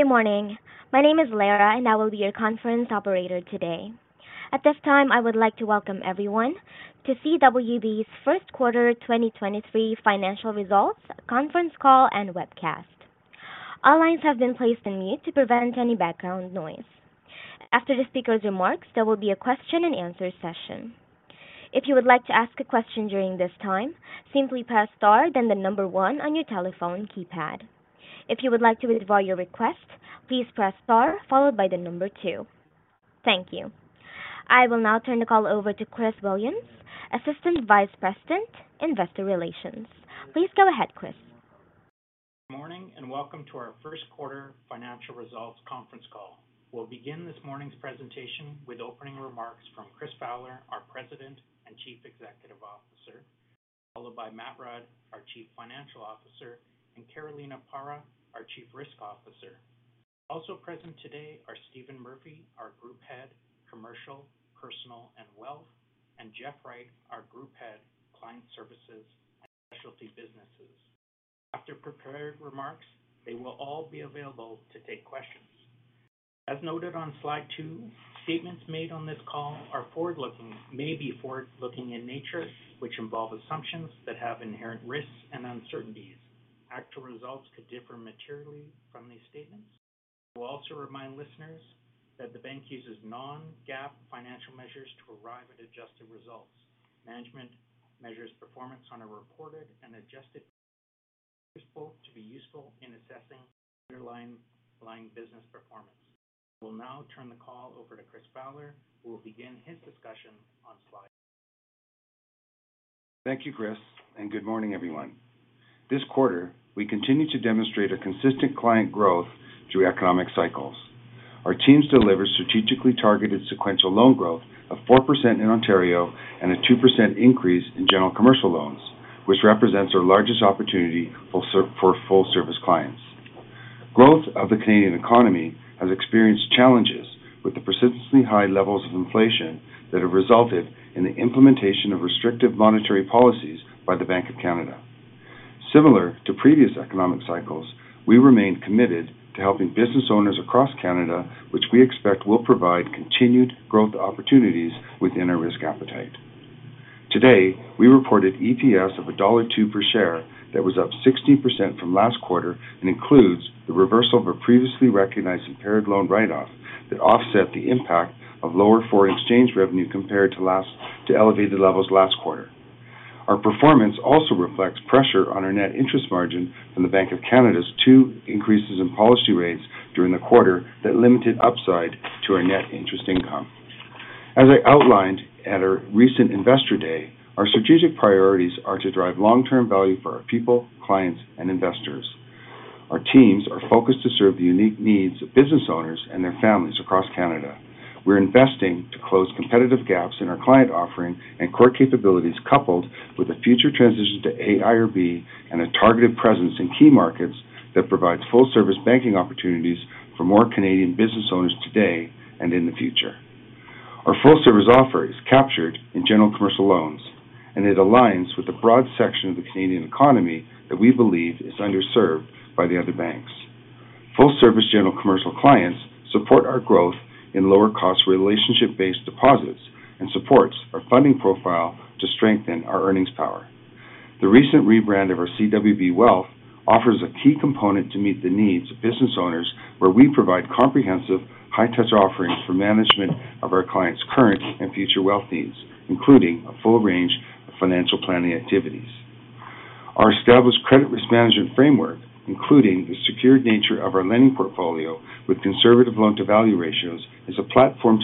Good morning. My name is Lara, and I will be your conference operator today. At this time, I would like to welcome everyone to CWB's first quarter 2023 financial results, conference call and webcast. All lines have been placed on mute to prevent any background noise. After the speaker's remarks, there will be a question and answer session. If you would like to ask a question during this time, simply press star then one on your telephone keypad. If you would like to withdraw your request, please press star followed by two. Thank you. I will now turn the call over to Chris Williams, Assistant Vice President, Investor Relations. Please go ahead, Chris. Morning and welcome to our first quarter financial results conference call. We'll begin this morning's presentation with opening remarks from Chris Fowler, our President and Chief Executive Officer, followed by Matt Rudd, our Chief Financial Officer, and Carolina Parra, our Chief Risk Officer. Also present today are Stephen Murphy, our Group Head, Commercial, Personal and Wealth, and Jeff Wright, our Group Head, Client Services, Specialty Businesses. After prepared remarks, they will all be available to take questions. As noted on Slide 2, statements made on this call are forward-looking, may be forward-looking in nature, which involve assumptions that have inherent risks and uncertainties. Actual results could differ materially from these statements. We'll also remind listeners that the bank uses non-GAAP financial measures to arrive at adjusted results. Management measures performance on a reported and adjusted useful to be useful in assessing underlying business performance. I will now turn the call over to Chris Fowler, who will begin his discussion on slide. Thank you, Chris, good morning, everyone. This quarter, we continue to demonstrate a consistent client growth through economic cycles. Our teams deliver strategically targeted sequential loan growth of 4% in Ontario and a 2% increase in general commercial loans, which represents our largest opportunity for full service clients. Growth of the Canadian economy has experienced challenges with the persistently high levels of inflation that have resulted in the implementation of restrictive monetary policies by the Bank of Canada. Similar to previous economic cycles, we remain committed to helping business owners across Canada, which we expect will provide continued growth opportunities within our risk appetite. Today, we reported EPS of dollar 1.02 per share that was up 60% from last quarter and includes the reversal of a previously recognized impaired loan write-off that offset the impact of lower foreign exchange revenue compared to elevated levels last quarter. Our performance also reflects pressure on our net interest margin from the Bank of Canada's two increases in policy rates during the quarter that limited upside to our net interest income. As I outlined at our recent Investor Day, our strategic priorities are to drive long-term value for our people, clients, and investors. Our teams are focused to serve the unique needs of business owners and their families across Canada. We're investing to close competitive gaps in our client offering and core capabilities, coupled with a future transition to AIRB and a targeted presence in key markets that provides full service banking opportunities for more Canadian business owners today and in the future. Our full service offer is captured in general commercial loans. It aligns with a broad section of the Canadian economy that we believe is underserved by the other banks. Full service general commercial clients support our growth in lower cost relationship-based deposits and supports our funding profile to strengthen our earnings power. The recent rebrand of our CWB Wealth offers a key component to meet the needs of business owners, where we provide comprehensive, high-touch offerings for management of our clients' current and future wealth needs, including a full range of financial planning activities. Our established credit risk management framework, including the secured nature of our lending portfolio with conservative loan-to-value ratios, is a platform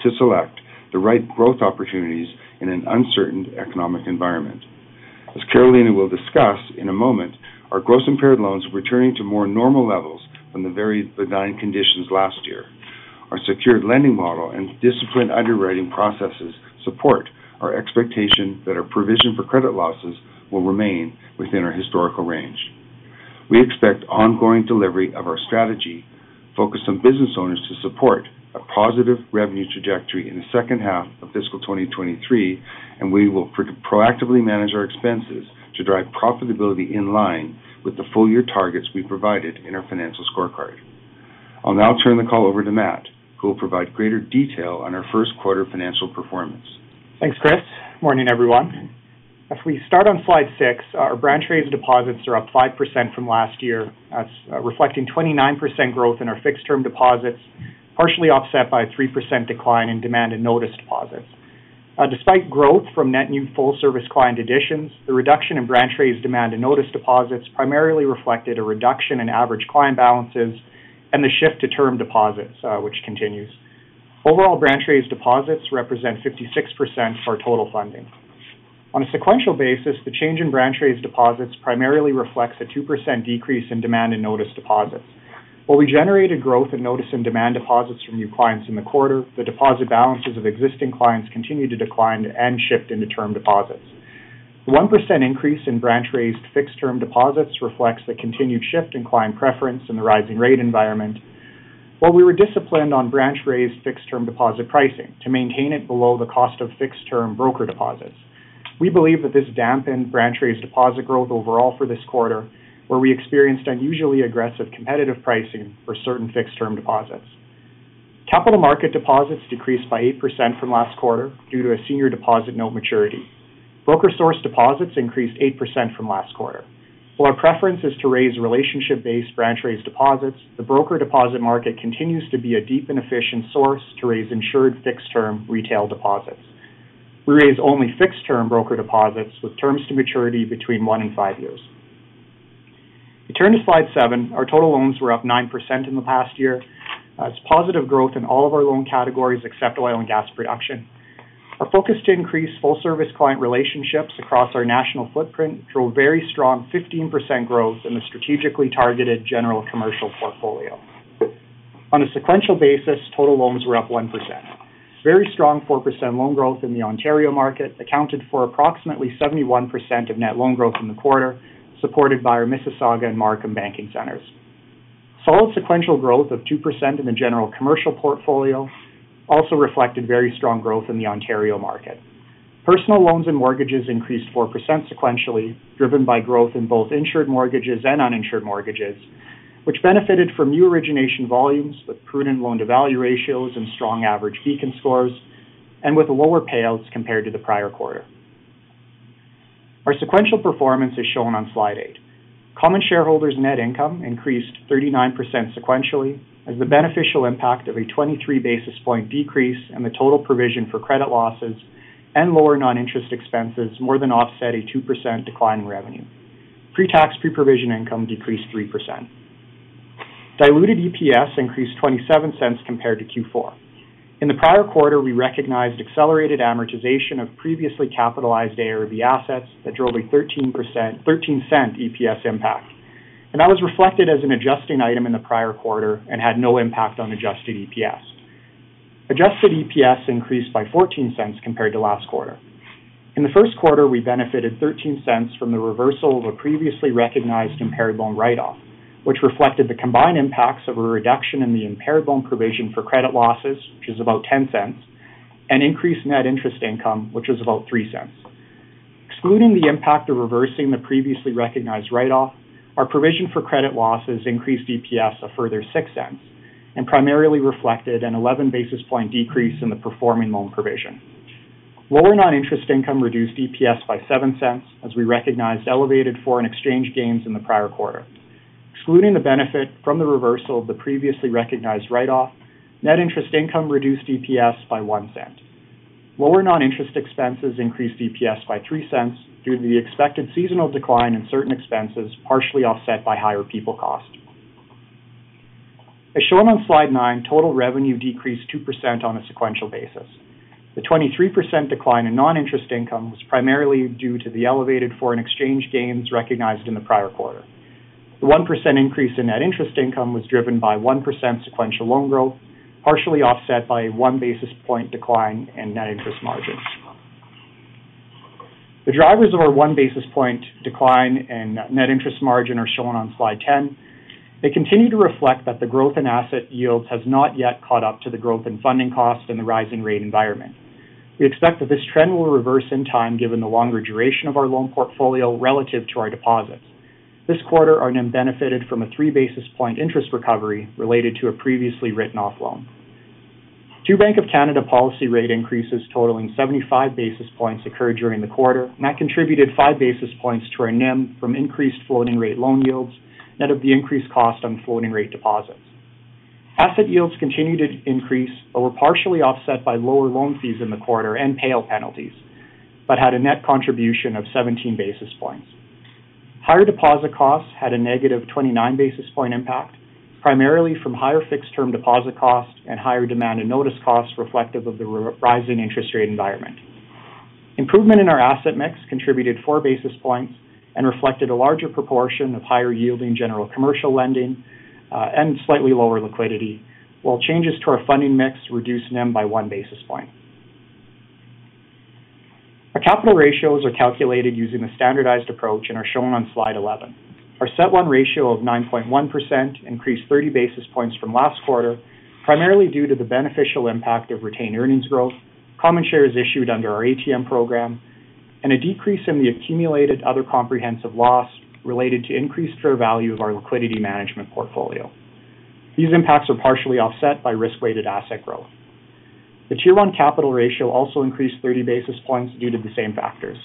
to select the right growth opportunities in an uncertain economic environment. As Carolina will discuss in a moment, our gross impaired loans returning to more normal levels from the very benign conditions last year. Our secured lending model and disciplined underwriting processes support our expectation that our provision for credit losses will remain within our historical range. We expect ongoing delivery of our strategy focused on business owners to support a positive revenue trajectory in the second half of fiscal 2023, and we will proactively manage our expenses to drive profitability in line with the full year targets we provided in our financial scorecard. I'll now turn the call over to Matt, who will provide greater detail on our first quarter financial performance. Thanks, Chris. Morning, everyone. If we start on Slide 6, our branch raised deposits are up 5% from last year. That's reflecting 29% growth in our fixed term deposits, partially offset by a 3% decline in demand and notice deposits. Despite growth from net new full service client additions, the reduction in branch raised demand and notice deposits primarily reflected a reduction in average client balances and the shift to term deposits, which continues. Overall, branch raised deposits represent 56% of our total funding. On a sequential basis, the change in branch raised deposits primarily reflects a 2% decrease in demand and notice deposits. While we generated growth in notice and demand deposits from new clients in the quarter, the deposit balances of existing clients continued to decline and shift into term deposits. The 1% increase in branch-raised fixed term deposits reflects the continued shift in client preference in the rising rate environment. We were disciplined on branch raised fixed term deposit pricing to maintain it below the cost of fixed term broker deposits. We believe that this dampened branch raised deposit growth overall for this quarter, where we experienced unusually aggressive competitive pricing for certain fixed term deposits. Capital market deposits decreased by 8% from last quarter due to a senior deposit note maturity. Broker source deposits increased 8% from last quarter. While our preference is to raise relationship based branch raised deposits, the broker deposit market continues to be a deep and efficient source to raise insured fixed term retail deposits. We raise only fixed term broker deposits with terms to maturity between one and five years. We turn to Slide 7. Our total loans were up 9% in the past year. It's positive growth in all of our loan categories except oil and gas production. Our focus to increase full service client relationships across our national footprint drove very strong 15% growth in the strategically targeted general commercial portfolio. On a sequential basis, total loans were up 1%. Very strong 4% loan growth in the Ontario market accounted for approximately 71% of net loan growth in the quarter, supported by our Mississauga and Markham banking centers. Solid sequential growth of 2% in the general commercial portfolio also reflected very strong growth in the Ontario market. Personal loans and mortgages increased 4% sequentially, driven by growth in both insured mortgages and uninsured mortgages, which benefited from new origination volumes with prudent loan to value ratios and strong average beacon scores and with lower payouts compared to the prior quarter. Our sequential performance is shown on Slide 8. Common shareholders' net income increased 39% sequentially as the beneficial impact of a 23 basis point decrease in the total provision for credit losses and lower non-interest expenses more than offset a 2% decline in revenue. Pre-tax, pre-provision income decreased 3%. Diluted EPS increased 0.27 compared to Q4. In the prior quarter, we recognized accelerated amortization of previously capitalized AIRB assets that drove a 0.13 EPS impact. That was reflected as an adjusting item in the prior quarter and had no impact on adjusted EPS. Adjusted EPS increased by 0.14 compared to last quarter. In the first quarter, we benefited 0.13 from the reversal of a previously recognized impaired loan write off, which reflected the combined impacts of a reduction in the impaired loan provision for credit losses, which is about 0.10, and increased net interest income, which was about 0.03. Excluding the impact of reversing the previously recognized write off, our provision for credit losses increased EPS a further 0.06 and primarily reflected an 11 basis point decrease in the performing loan provision. Lower non-interest income reduced EPS by 0.07 as we recognized elevated foreign exchange gains in the prior quarter. Excluding the benefit from the reversal of the previously recognized write off, net interest income reduced EPS by 0.01. Lower Non-Interest Expenses increased EPS by 0.03 due to the expected seasonal decline in certain expenses, partially offset by higher people cost. As shown on Slide 9, total revenue decreased 2% on a sequential basis. The 23% decline in Non-Interest Income was primarily due to the elevated foreign exchange gains recognized in the prior quarter. The 1% increase in net interest income was driven by 1% sequential loan growth, partially offset by a 1 basis point decline in net interest margin. The drivers of our 1 basis point decline in net interest margin are shown on Slide 10. They continue to reflect that the growth in asset yields has not yet caught up to the growth in funding costs in the rising rate environment. We expect that this trend will reverse in time given the longer duration of our loan portfolio relative to our deposits. This quarter, our NIM benefited from a 3 basis point interest recovery related to a previously written off loan. Two Bank of Canada policy rate increases totaling 75 basis points occurred during the quarter. That contributed 5 basis points to our NIM from increased floating rate loan yields, net of the increased cost on floating rate deposits. Asset yields continued to increase but were partially offset by lower loan fees in the quarter and payout penalties, but had a net contribution of 17 basis points. Higher deposit costs had a negative 29 basis point impact, primarily from higher fixed term deposit costs and higher demand and notice costs reflective of the rising interest rate environment. Improvement in our asset mix contributed 4 basis points and reflected a larger proportion of higher yielding general commercial lending, and slightly lower liquidity, while changes to our funding mix reduced NIM by 1 basis point. Our capital ratios are calculated using the standardized approach and are shown on Slide 11. Our CET1 ratio of 9.1% increased 30 basis points from last quarter, primarily due to the beneficial impact of retained earnings growth, common shares issued under our ATM program, and a decrease in the accumulated other comprehensive loss related to increased fair value of our liquidity management portfolio. These impacts are partially offset by risk-weighted asset growth. The Tier One capital ratio also increased 30 basis points due to the same factors.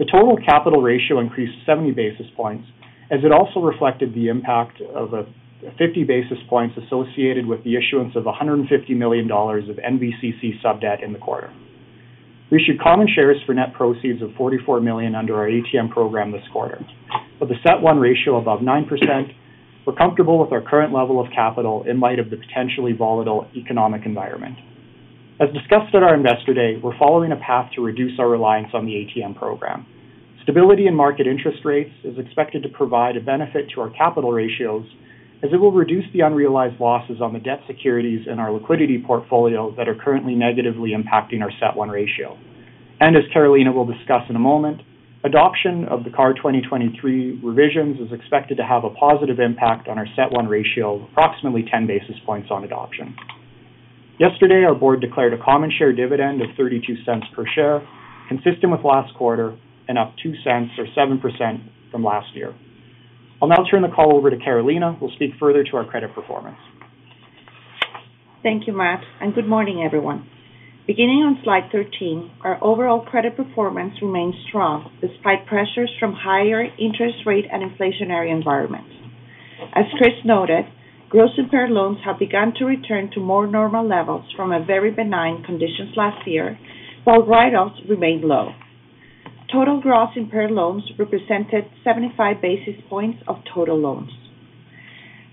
The total capital ratio increased 70 basis points as it also reflected the impact of 50 basis points associated with the issuance of 150 million dollars of NVCC subdebt in the quarter. We issued common shares for net proceeds of 44 million under our ATM program this quarter. With a CET1 ratio above 9%, we're comfortable with our current level of capital in light of the potentially volatile economic environment. As discussed at our Investor Day, we're following a path to reduce our reliance on the ATM program. Stability in market interest rates is expected to provide a benefit to our capital ratios, as it will reduce the unrealized losses on the debt securities in our liquidity portfolio that are currently negatively impacting our CET1 ratio. As Carolina will discuss in a moment, adoption of the CAR 2023 revisions is expected to have a positive impact on our CET1 ratio of approximately 10 basis points on adoption. Yesterday, our board declared a common share dividend of 0.32 per share, consistent with last quarter and up 0.2 or 7% from last year. I'll now turn the call over to Carolina, who will speak further to our credit performance. Thank you, Matt. Good morning, everyone. Beginning on Slide 13, our overall credit performance remains strong despite pressures from higher interest rate and inflationary environments. As Chris noted, gross impaired loans have begun to return to more normal levels from a very benign conditions last year, while write-offs remain low. Total gross impaired loans represented 75 basis points of total loans.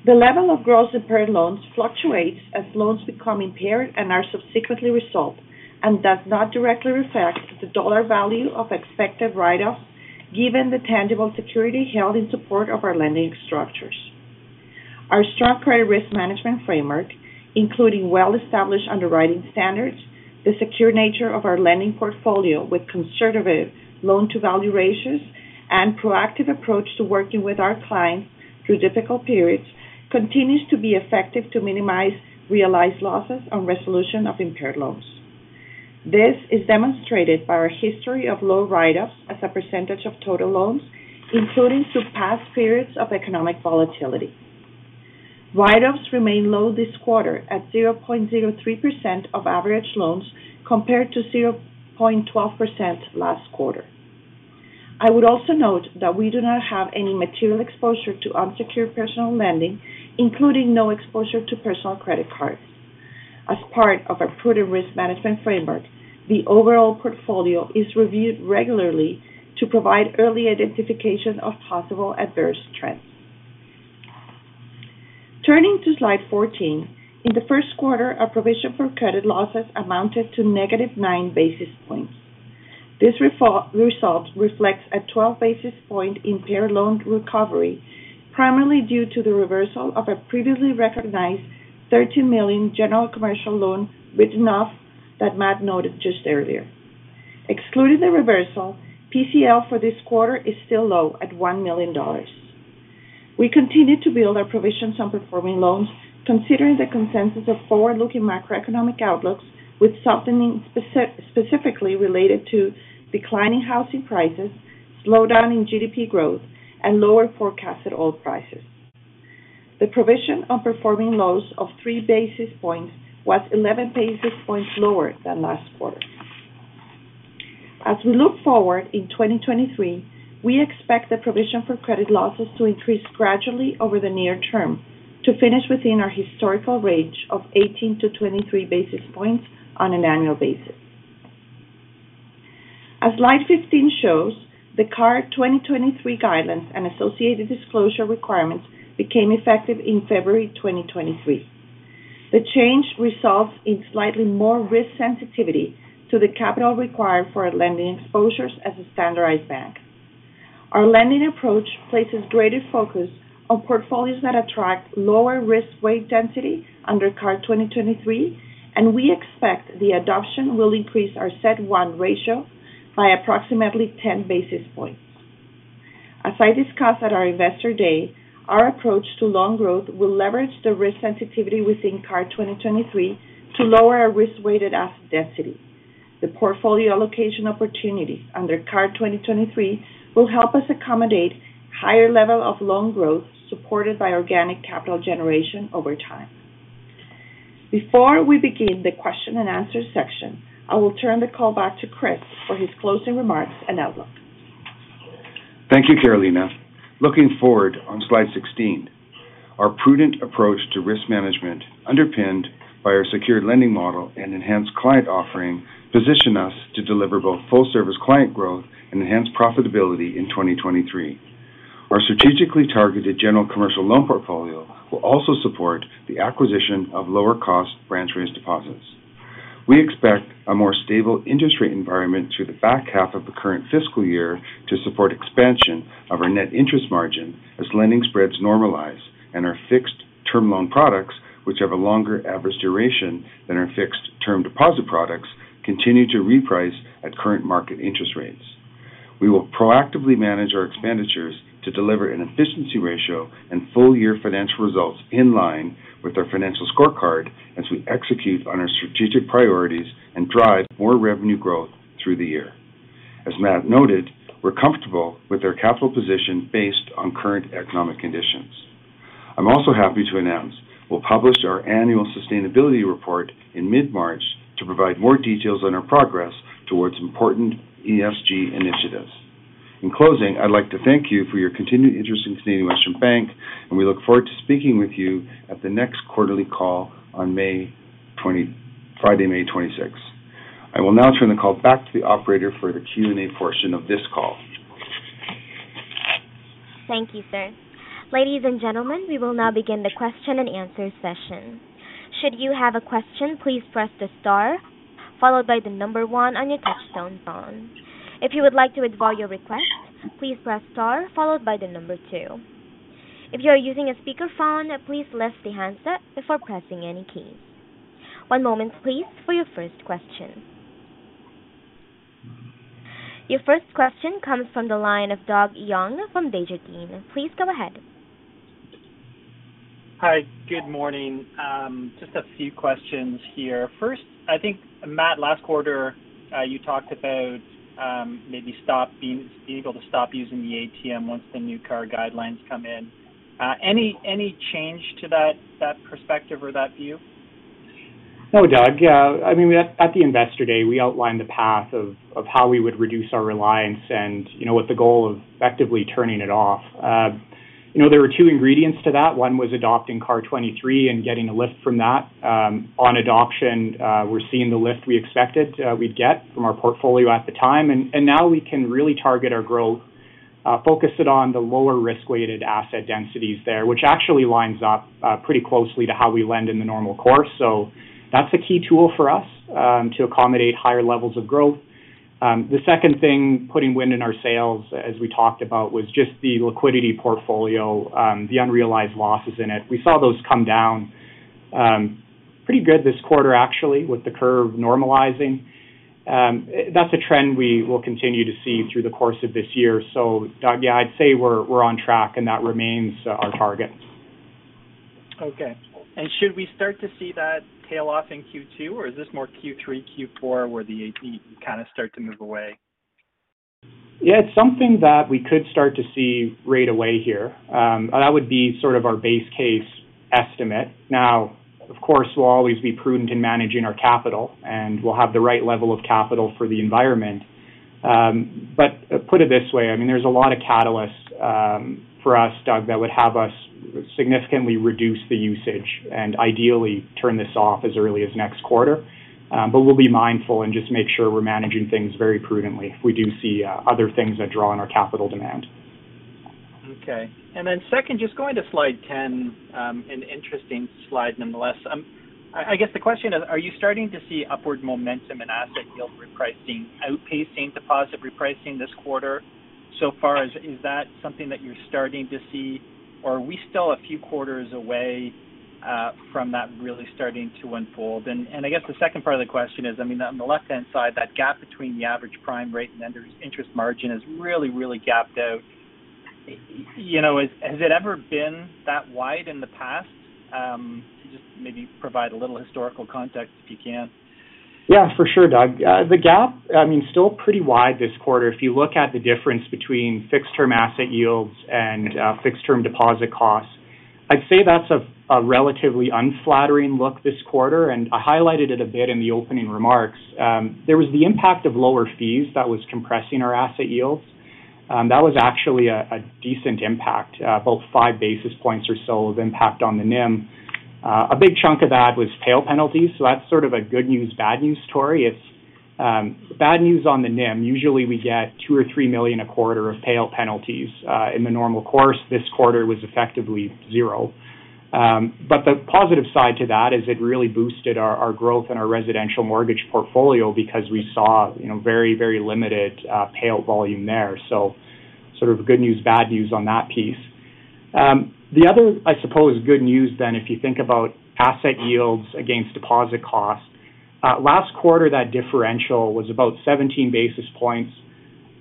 The level of gross impaired loans fluctuates as loans become impaired and are subsequently resolved, and does not directly reflect the dollar value of expected write-offs given the tangible security held in support of our lending structures. Our strong credit risk management framework, including well-established underwriting standards, the secure nature of our lending portfolio with conservative loan-to-value ratios, and proactive approach to working with our clients through difficult periods continues to be effective to minimize realized losses on resolution of impaired loans. This is demonstrated by our history of low write-offs as a percentage of total loans, including through past periods of economic volatility. Write-offs remain low this quarter at 0.03% of average loans, compared to 0.12% last quarter. I would also note that we do not have any material exposure to unsecured personal lending, including no exposure to personal credit cards. As part of our prudent risk management framework, the overall portfolio is reviewed regularly to provide early identification of possible adverse trends. Turning to Slide 14, in the first quarter, our provision for credit losses amounted to -9 basis points. This result reflects a 12 basis point impaired loan recovery, primarily due to the reversal of a previously recognized 13 million general commercial loan written off that Matt noted just earlier. Excluding the reversal, PCL for this quarter is still low at $1 million. We continue to build our provisions on performing loans, considering the consensus of forward-looking macroeconomic outlooks with softening specifically related to declining housing prices, slowdown in GDP growth, and lower forecasts at oil prices. The provision on performing loans of 3 basis points was 11 basis points lower than last quarter. We look forward in 2023, we expect the provision for credit losses to increase gradually over the near term to finish within our historical range of 18-23 basis points on an annual basis. Slide 15 shows, the CAR 2023 guidelines and associated disclosure requirements became effective in February 2023. The change results in slightly more risk sensitivity to the capital required for our lending exposures as a standardized bank. Our lending approach places greater focus on portfolios that attract lower risk weight density under CAR 2023. We expect the adoption will increase our CET1 ratio by approximately 10 basis points. As I discussed at our Investor Day, our approach to loan growth will leverage the risk sensitivity within CAR 2023 to lower our risk-weighted asset density. The portfolio allocation opportunities under CAR 2023 will help us accommodate higher level of loan growth supported by organic capital generation over time. Before we begin the question and answer section, I will turn the call back to Chris for his closing remarks and outlook. Thank you, Carolina. Looking forward on Slide 16, our prudent approach to risk management, underpinned by our secured lending model and enhanced client offering, position us to deliver both full service client growth and enhanced profitability in 2023. Our strategically targeted general commercial loan portfolio will also support the acquisition of lower cost branch raised deposits. We expect a more stable industry environment through the back half of the current fiscal year to support expansion of our net interest margin as lending spreads normalize and our fixed-term loan products, which have a longer average duration than our fixed-term deposit products, continue to reprice at current market interest rates. We will proactively manage our expenditures to deliver an efficiency ratio and full-year financial results in line with our financial scorecard as we execute on our strategic priorities and drive more revenue growth through the year. As Matt noted, we're comfortable with our capital position based on current economic conditions. I'm also happy to announce we'll publish our annual sustainability report in mid-March to provide more details on our progress towards important ESG initiatives. In closing, I'd like to thank you for your continued interest in Canadian Western Bank, and we look forward to speaking with you at the next quarterly call on Friday, May 26th. I will now turn the call back to the operator for the Q&A portion of this call. Thank you, sir. Ladies and gentlemen, we will now begin the question and answer session. Should you have a question, please press the star followed by the number one on your touch-tone phone. If you would like to withdraw your request, please press star followed by the number two. If you are using a speakerphone, please lift the handset before pressing any keys. One moment please for your first question. Your first question comes from the line of Doug Young from Desjardins. Please go ahead. Hi. Good morning. Just a few questions here. First, I think, Matt, last quarter, you talked about being able to stop using the ATM once the new CAR guidelines come in. Any change to that perspective or that view? No, Doug. Yeah, I mean, at the Investor Day, we outlined the path of how we would reduce our reliance and, you know, with the goal of effectively turning it off. You know, there were two ingredients to that. One was adopting CAR 2023 and getting a lift from that. On adoption, we're seeing the lift we expected, we'd get from our portfolio at the time. Now we can really target our growth, focus it on the lower risk-weighted asset densities there, which actually lines up pretty closely to how we lend in the normal course. That's a key tool for us, to accommodate higher levels of growth. The second thing, putting wind in our sails, as we talked about, was just the liquidity portfolio, the unrealized losses in it. We saw those come down, pretty good this quarter actually, with the curve normalizing. That's a trend we will continue to see through the course of this year. Doug, yeah, I'd say we're on track, and that remains our target. Okay. Should we start to see that tail off in Q2, or is this more Q3, Q4, where the AT kind of start to move away? Yeah, it's something that we could start to see right away here. That would be sort of our base case estimate. Now, of course, we'll always be prudent in managing our capital, and we'll have the right level of capital for the environment. But put it this way, I mean, there's a lot of catalysts for us, Doug, that would have us significantly reduce the usage and ideally turn this off as early as next quarter. But we'll be mindful and just make sure we're managing things very prudently if we do see other things that draw on our capital demand. Okay. Second, just going to Slide 10, an interesting slide nonetheless. I guess the question is, are you starting to see upward momentum in asset yield repricing outpacing deposit repricing this quarter so far? Is that something that you're starting to see, or are we still a few quarters away from that really starting to unfold? I guess the second part of the question is, I mean, on the left-hand side, that gap between the average prime rate and lenders' interest margin is really, really gapped out. You know, has it ever been that wide in the past? Just maybe provide a little historical context if you can. Yeah, for sure, Doug. The gap, I mean, still pretty wide this quarter. If you look at the difference between fixed-term asset yields and fixed-term deposit costs, I'd say that's a relatively unflattering look this quarter, and I highlighted it a bit in the opening remarks. There was the impact of lower fees that was compressing our asset yields. That was actually a decent impact, about 5 basis points or so of impact on the NIM. A big chunk of that was tail penalties, so that's sort of a good news/bad news story. It's bad news on the NIM. Usually we get 2 million or 3 million a quarter of tail penalties. In the normal course, this quarter was effectively zero. The positive side to that is it really boosted our growth in our residential mortgage portfolio because we saw, you know, very limited tail volume there. Sort of good news, bad news on that piece. The other, I suppose, good news then, if you think about asset yields against deposit costs, last quarter, that differential was about 17 basis points.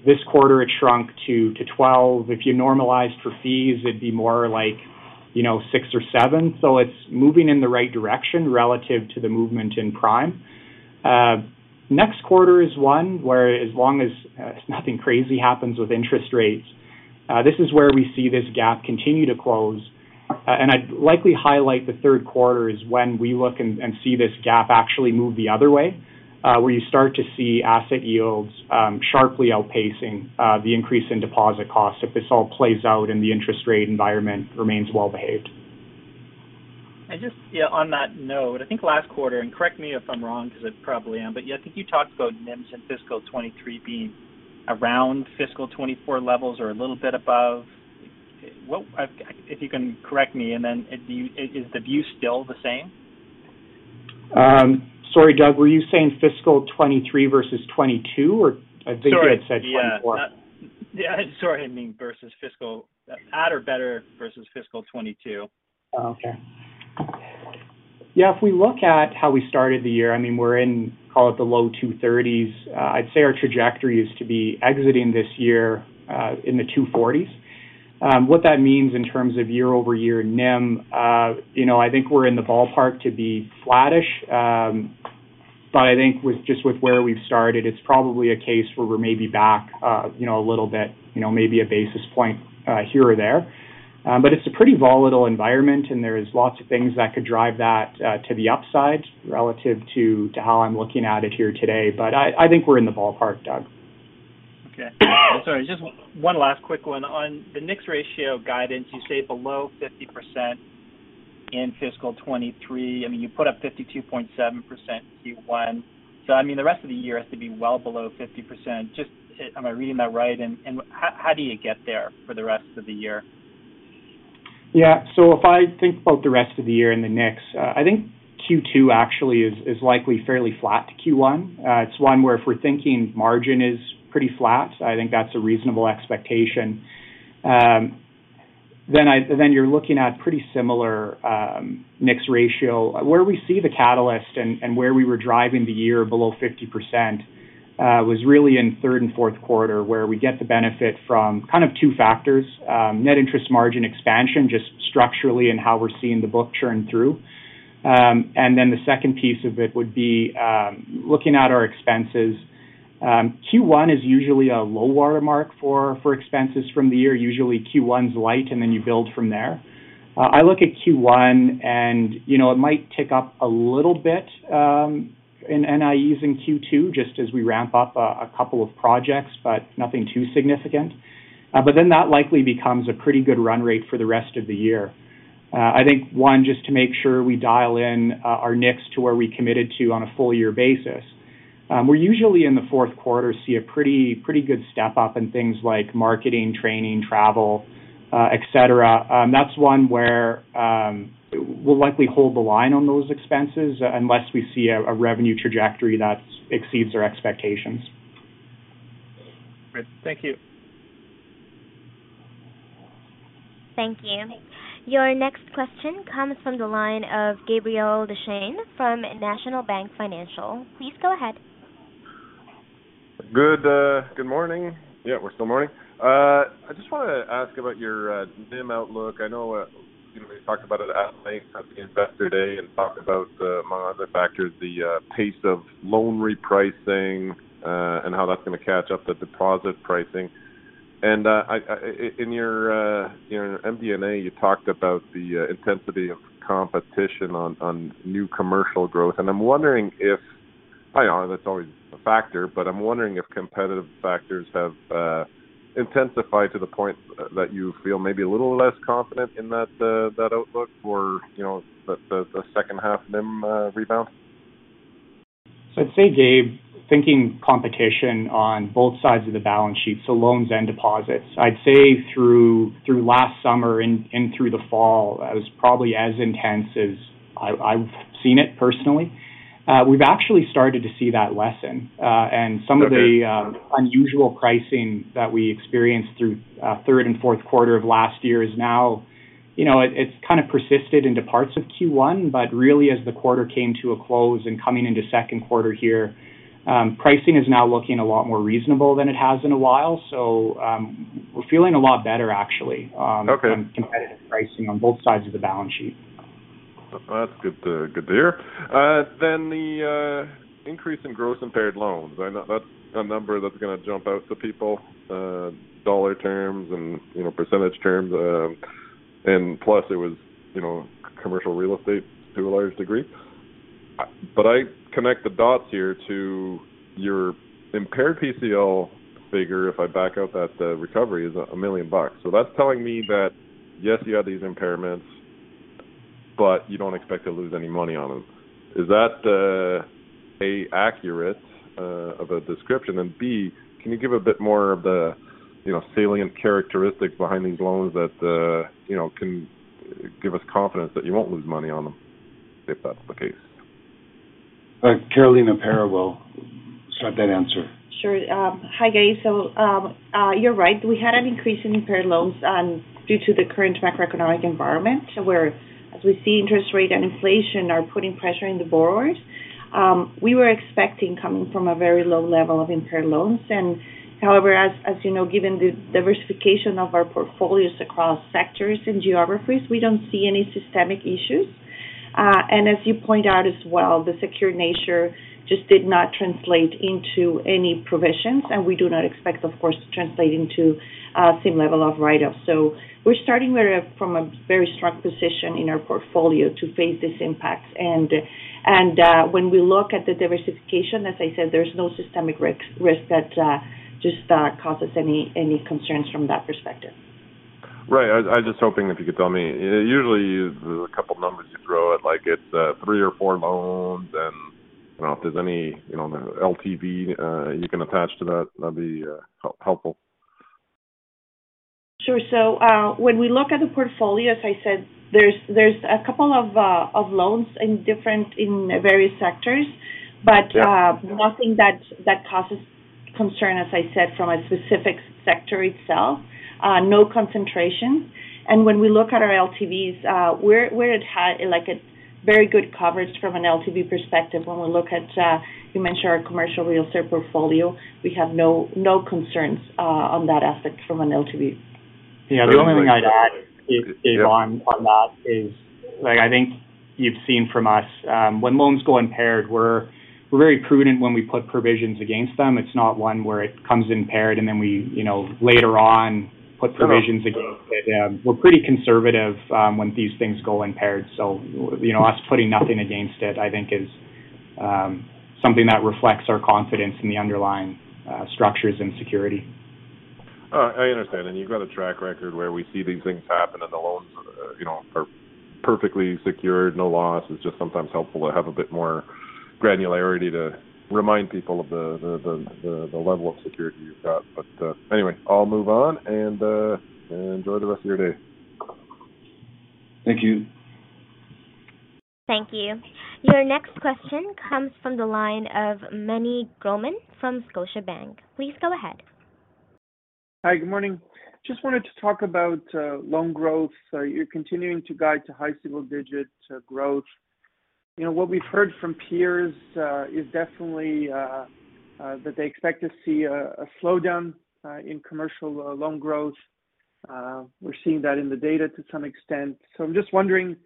This quarter, it shrunk to 12. If you normalized for fees, it'd be more like, you know, six or seven. It's moving in the right direction relative to the movement in prime. Next quarter is one where as long as nothing crazy happens with interest rates, this is where we see this gap continue to close. I'd likely highlight the third quarter is when we look and see this gap actually move the other way, where you start to see asset yields, sharply outpacing, the increase in deposit costs if this all plays out and the interest rate environment remains well behaved. Just, yeah, on that note, I think last quarter, and correct me if I'm wrong, because I probably am, yeah, I think you talked about NIMs in fiscal 2023 being around fiscal 2024 levels or a little bit above. What... If you can correct me and then if you... Is the view still the same? Sorry, Doug, were you saying fiscal 2023 versus 2022? I think you had said 2024. Sorry, yeah. Yeah, sorry. I mean, versus At or better versus fiscal 2022. Oh, okay. Yeah, if we look at how we started the year, I mean, we're in, call it, the low 230s. I'd say our trajectory is to be exiting this year, in the 240s. What that means in terms of year-over-year NIM, you know, I think we're in the ballpark to be flattish. I think with, just with where we've started, it's probably a case where we're maybe back, you know, a little bit, you know, maybe 1 basis point, here or there. It's a pretty volatile environment, and there's lots of things that could drive that, to the upside relative to how I'm looking at it here today. I think we're in the ballpark, Doug. Okay. Sorry, just one last quick one. On the NIX ratio guidance, you say below 50% in fiscal 2023. I mean, you put up 52.7% Q1. I mean, the rest of the year has to be well below 50%. Just, am I reading that right? How do you get there for the rest of the year? If I think about the rest of the year and the NIX, Q2 actually is likely fairly flat to Q1. It's one where if we're thinking margin is pretty flat, I think that's a reasonable expectation. Then you're looking at pretty similar NIX ratio. Where we see the catalyst and where we were driving the year below 50%, was really in third and fourth quarter, where we get the benefit from kind of two factors, net interest margin expansion, just structurally and how we're seeing the book churn through. The second piece of it would be looking at our expenses. Q1 is usually a low watermark for expenses from the year. Usually Q1's light, and then you build from there. I look at Q1 and, you know, it might tick up a little bit in NIEs in Q2, just as we ramp up a couple of projects, but nothing too significant. That likely becomes a pretty good run rate for the rest of the year. I think one, just to make sure we dial in our mix to where we committed to on a full year basis. We usually in the fourth quarter see a pretty good step up in things like marketing, training, travel, et cetera. That's one where we'll likely hold the line on those expenses unless we see a revenue trajectory that exceeds our expectations. Great. Thank you. Thank you. Your next question comes from the line of Gabriel Dechaine from National Bank Financial. Please go ahead. Good, good morning. Yeah, we're still morning. I just wanna ask about your NIM outlook. I know, you know, you talked about it at length at the Investor Day and talked about among other factors, the pace of loan repricing, and how that's gonna catch up the deposit pricing. In your MD&A, you talked about the intensity of competition on new commercial growth. I'm wondering if I know that's always a factor, but I'm wondering if competitive factors have intensified to the point that you feel maybe a little less confident in that that outlook for, you know, the second half NIM rebound. I'd say, Gabe, thinking competition on both sides of the balance sheet, so loans and deposits. I'd say through last summer and through the fall, it was probably as intense as I've seen it personally. We've actually started to see that lessen. Okay. unusual pricing that we experienced through third and fourth quarter of last year is now. You know, it's kind of persisted into parts of Q1, really as the quarter came to a close and coming into second quarter here, pricing is now looking a lot more reasonable than it has in a while. We're feeling a lot better actually. Okay. -on competitive pricing on both sides of the balance sheet. That's good to hear. The increase in gross impaired loans. I know that's a number that's gonna jump out to people, dollar terms and, you know, percentage terms. Plus it was, you know, commercial real estate to a large degree. I connect the dots here to your impaired PCL figure, if I back out that recovery, is 1 million bucks. That's telling me that, yes, you have these impairments, but you don't expect to lose any money on them. Is that A, accurate of a description? B, can you give a bit more of the, you know, salient characteristics behind these loans that, you know, can give us confidence that you won't lose money on them, if that's the case? Carolina Parra will start that answer. Sure. Hi, Gabe. You're right. We had an increase in impaired loans due to the current macroeconomic environment where as we see interest rate and inflation are putting pressure on the borrowers. We were expecting coming from a very low level of impaired loans. However, as you know, given the diversification of our portfolios across sectors and geographies, we don't see any systemic issues. As you point out as well, the secured nature just did not translate into any provisions, and we do not expect, of course, to translate into same level of write-offs. We're starting from a very strong position in our portfolio to face these impacts. When we look at the diversification, as I said, there's no systemic risk that just causes any concerns from that perspective. I'm just hoping if you could tell me. Usually, there's a couple numbers you throw at, like it's, three or four loans, and I don't know if there's any, you know, LTV, you can attach to that'd be helpful. Sure. When we look at the portfolio, as I said, there's a couple of loans in various sectors. Yeah. nothing that causes concern, as I said, from a specific sector itself. No concentration. When we look at our LTVs, we're at high, like a very good coverage from an LTV perspective. When we look at, you mentioned our commercial real estate portfolio, we have no concerns on that aspect from an LTV. Yeah. The only thing I'd add is- Yeah. Is on that is, like I think you've seen from us, when loans go impaired, we're very prudent when we put provisions against them. It's not one where it comes impaired, and then we, you know, later on put provisions against it. Yeah. We're pretty conservative, when these things go impaired. You know, us putting nothing against it, I think is something that reflects our confidence in the underlying structures and security. I understand. You've got a track record where we see these things happen and the loans, you know, are perfectly secured, no loss. It's just sometimes helpful to have a bit more granularity to remind people of the level of security you've got. Anyway, I'll move on and enjoy the rest of your day. Thank you. Thank you. Your next question comes from the line of Meny Grauman from Scotiabank. Please go ahead. Hi, good morning. Just wanted to talk about loan growth. You're continuing to guide to high single digits growth. You know, what we've heard from peers is definitely that they expect to see a slowdown in commercial loan growth. We're seeing that in the data to some extent. I'm just wondering,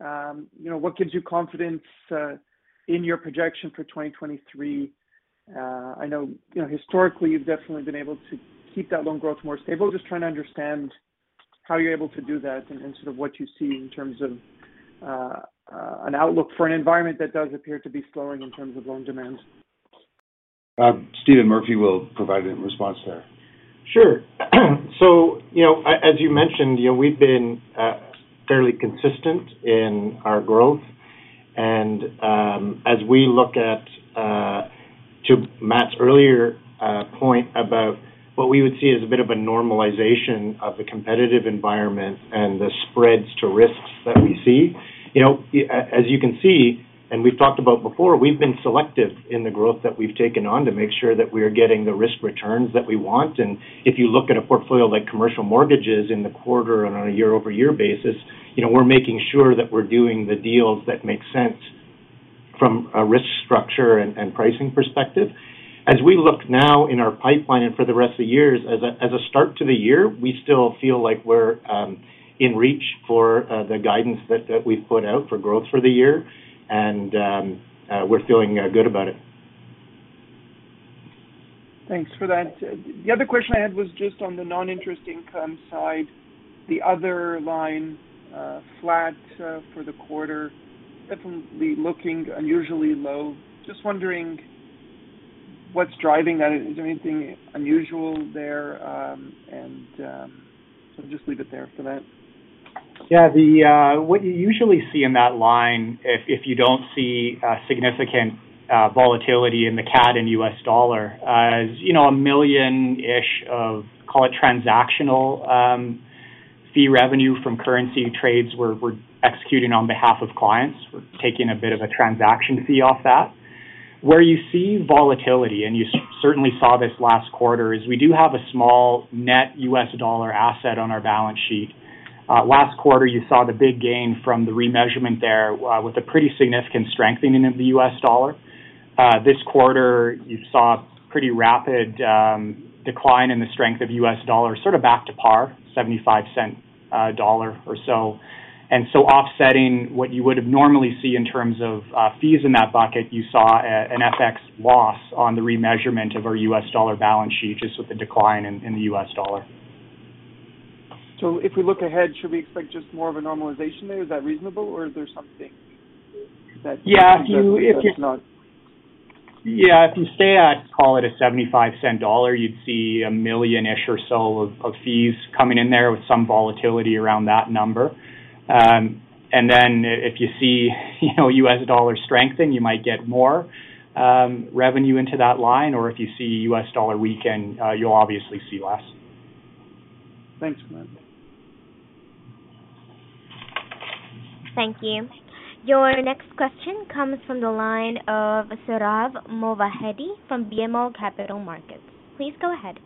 you know, what gives you confidence in your projection for 2023? I know, you know, historically, you've definitely been able to keep that loan growth more stable. Just trying to understand how you're able to do that and sort of what you see in terms of an outlook for an environment that does appear to be slowing in terms of loan demands. Stephen Murphy will provide a response there. Sure. You know, as you mentioned, you know, we've been fairly consistent in our growth. As we look at to Matt's earlier point about what we would see as a bit of a normalization of the competitive environment and the spreads to risks that we see, you know, as you can see, and we've talked about before, we've been selective in the growth that we've taken on to make sure that we are getting the risk returns that we want. If you look at a portfolio like commercial mortgages in the quarter on a year-over-year basis, you know, we're making sure that we're doing the deals that make sense from a risk structure and pricing perspective. As we look now in our pipeline and for the rest of the years, as a start to the year, we still feel like we're in reach for the guidance that we've put out for growth for the year, and we're feeling good about it. Thanks for that. The other question I had was just on the non-interest income side, the other line, flat for the quarter, definitely looking unusually low. Just wondering what's driving that. Is there anything unusual there? Just leave it there for that. What you usually see in that line if you don't see significant volatility in the CAD and US dollar, is, you know, a million-ish of, call it transactional fee revenue from currency trades we're executing on behalf of clients. We're taking a bit of a transaction fee off that. Where you see volatility, and you certainly saw this last quarter, is we do have a small net US dollar asset on our balance sheet. Last quarter, you saw the big gain from the remeasurement there, with a pretty significant strengthening of the US dollar. This quarter, you saw pretty rapid decline in the strength of US dollar, sort of back to par, 0.75 or so. Offsetting what you would normally see in terms of fees in that bucket, you saw an FX loss on the remeasurement of our US dollar balance sheet, just with the decline in the US dollar. If we look ahead, should we expect just more of a normalization there? Is that reasonable, or is there something that? Yeah. If you stay at, call it a 0.75, you'd see a million-ish or so of fees coming in there with some volatility around that number. If you see, you know, US dollar strengthen, you might get more revenue into that line, or if you see US dollar weaken, you'll obviously see less. Thanks, Man. Thank you. Your next question comes from the line of Sohrab Movahedi from BMO Capital Markets. Please go ahead.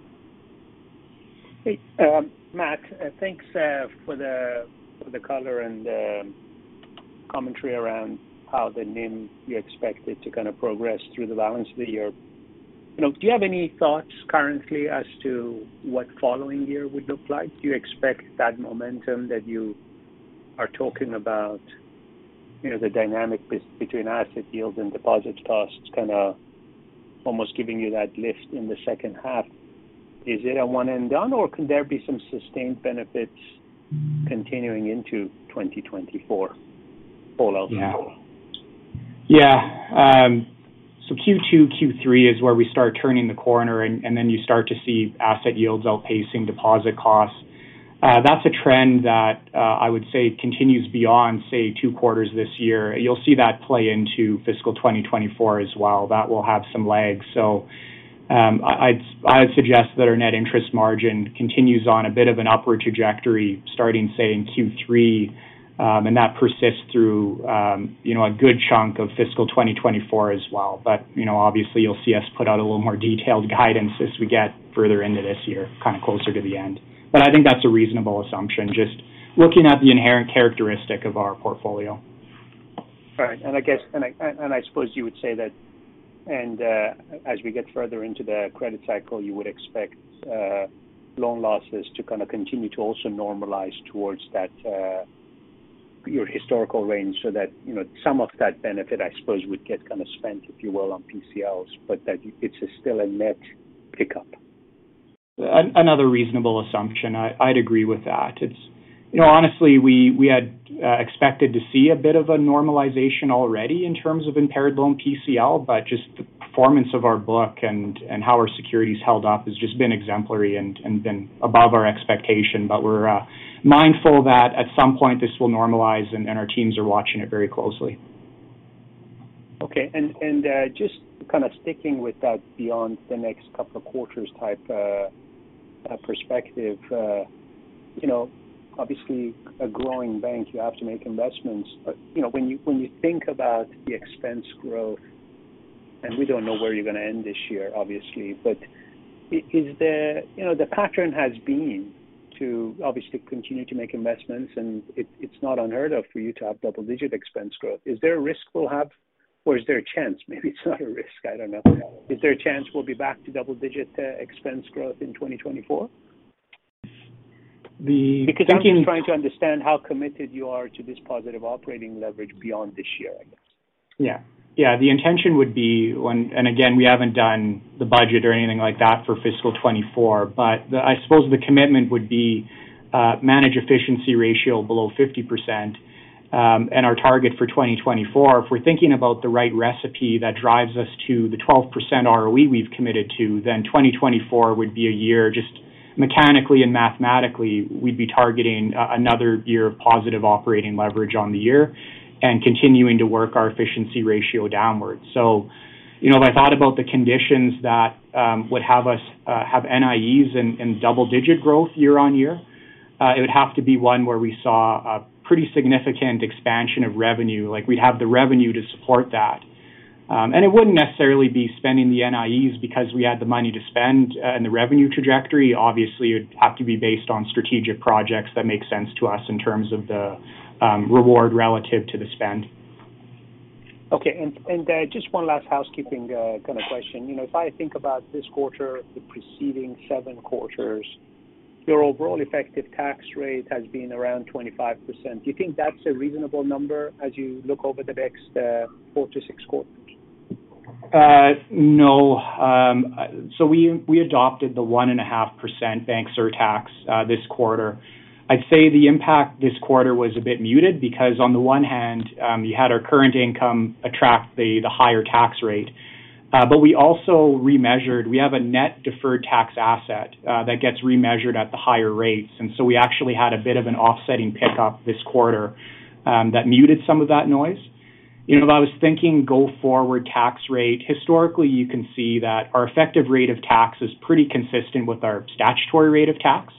Hey. Matt, thanks for the, for the color and commentary around how the NIM you expect it to kind of progress through the balance of the year. You know, do you have any thoughts currently as to what following year would look like? Do you expect that momentum that you are talking about, you know, the dynamic between asset yields and deposits costs kinda almost giving you that lift in the second half, is it a one and done, or could there be some sustained benefits continuing into 2024 all else equal? Q2, Q3 is where we start turning the corner, and then you start to see asset yields outpacing deposit costs. That's a trend that I would say continues beyond, say, two quarters this year. You'll see that play into fiscal 2024 as well. That will have some lag. I'd suggest that our net interest margin continues on a bit of an upward trajectory starting, say, in Q3, and that persists through, you know, a good chunk of fiscal 2024 as well. you know, obviously, you'll see us put out a little more detailed guidance as we get further into this year, kind of closer to the end. I think that's a reasonable assumption, just looking at the inherent characteristic of our portfolio. Right. I suppose you would say that as we get further into the credit cycle, you would expect loan losses to kind of continue to also normalize towards that, your historical range so that, you know, some of that benefit, I suppose, would get kind of spent, if you will, on PCLs, but that it's still a net pickup. Another reasonable assumption. I'd agree with that. It's. You know, honestly, we had expected to see a bit of a normalization already in terms of impaired loan PCL, just the performance of our book and how our security's held up has just been exemplary and been above our expectation. We're mindful that at some point this will normalize and our teams are watching it very closely. Okay. Just kind of sticking with that beyond the next couple of quarters type perspective, you know, obviously a growing bank, you have to make investments. You know, when you, when you think about the expense growth, and we don't know where you're gonna end this year, obviously, but is there. You know, the pattern has been to obviously continue to make investments, and it's not unheard of for you to have double-digit expense growth. Is there a risk we'll have or is there a chance maybe it's not a risk? I don't know. Is there a chance we'll be back to double-digit expense growth in 2024? The thinking- I'm just trying to understand how committed you are to this positive operating leverage beyond this year, I guess. The intention would be when. Again, we haven't done the budget or anything like that for fiscal 2024, I suppose the commitment would be manage efficiency ratio below 50%, and our target for 2024. If we're thinking about the right recipe that drives us to the 12% ROE we've committed to, 2024 would be a year just mechanically and mathematically, we'd be targeting another year of positive operating leverage on the year and continuing to work our efficiency ratio downwards. You know, if I thought about the conditions that would have us have NIEs and double-digit growth year on year, it would have to be one where we saw a pretty significant expansion of revenue. Like, we'd have the revenue to support that. It wouldn't necessarily be spending the NIEs because we had the money to spend, and the revenue trajectory. Obviously, it would have to be based on strategic projects that make sense to us in terms of the reward relative to the spend. Okay. Just one last housekeeping kind of question. You know, if I think about this quarter, the preceding 7 quarters, your overall effective tax rate has been around 25%. Do you think that's a reasonable number as you look over the next four-six quarters? No. We, we adopted the 1.5% bank surtax this quarter. I'd say the impact this quarter was a bit muted because on the one hand, you had our current income attract the higher tax rate. We also remeasured. We have a net deferred tax asset that gets remeasured at the higher rates, and so we actually had a bit of an offsetting pickup this quarter that muted some of that noise. You know, if I was thinking go forward tax rate, historically, you can see that our effective rate of tax is pretty consistent with our statutory rate of tax.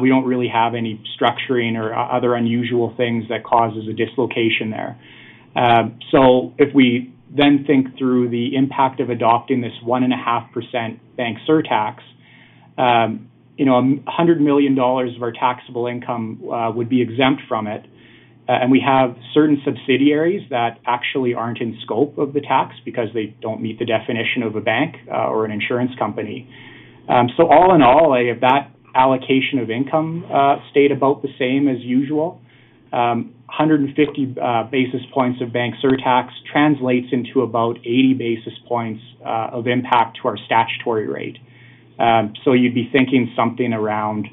We don't really have any structuring or other unusual things that causes a dislocation there. If we then think through the impact of adopting this 1.5% bank surtax, you know, $100 million of our taxable income would be exempt from it. We have certain subsidiaries that actually aren't in scope of the tax because they don't meet the definition of a bank or an insurance company. All in all, if that allocation of income stayed about the same as usual, 150 basis points of bank surtax translates into about 80 basis points of impact to our statutory rate. You'd be thinking something around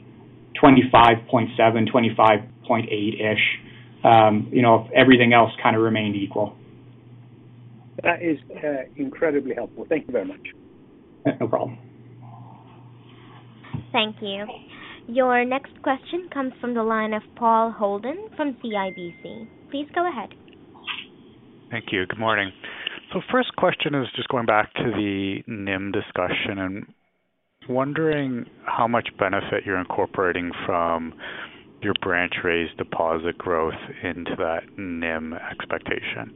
25.7, 25.8-ish, you know, if everything else kind of remained equal. That is incredibly helpful. Thank you very much. Yeah, no problem. Thank you. Your next question comes from the line of Paul Holden from CIBC. Please go ahead. Thank you. Good morning. First question is just going back to the NIM discussion and wondering how much benefit you're incorporating from your branch raise deposit growth into that NIM expectation?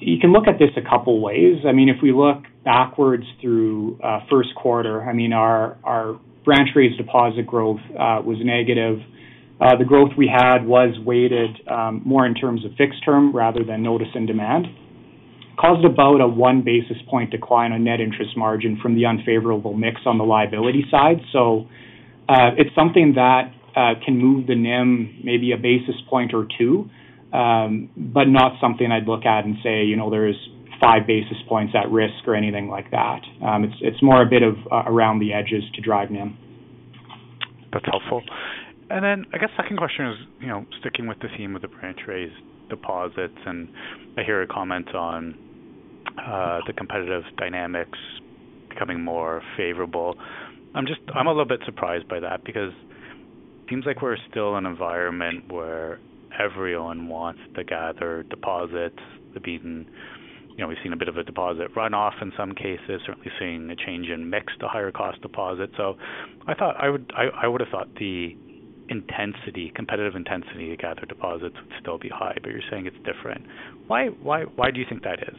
You can look at this a couple ways. I mean, if we look backwards through first quarter, I mean, our branch raised deposit growth was negative. The growth we had was weighted more in terms of fixed term rather than notice and demand. Caused about a 1 basis point decline on net interest margin from the unfavorable mix on the liability side. It's something that can move the NIM maybe a basis point or 2, but not something I'd look at and say, you know, there's 5 basis points at risk or anything like that. It's more a bit of around the edges to drive NIM. That's helpful. I guess second question is, you know, sticking with the theme of the branch raised deposits, and I hear a comment on the competitive dynamics becoming more favorable. I'm a little bit surprised by that because seems like we're still in an environment where everyone wants to gather deposits, the beaten. You know, we've seen a bit of a deposit runoff in some cases, certainly seeing a change in mix to higher cost deposits. I thought I would have thought the intensity, competitive intensity to gather deposits would still be high, but you're saying it's different. Why, why do you think that is?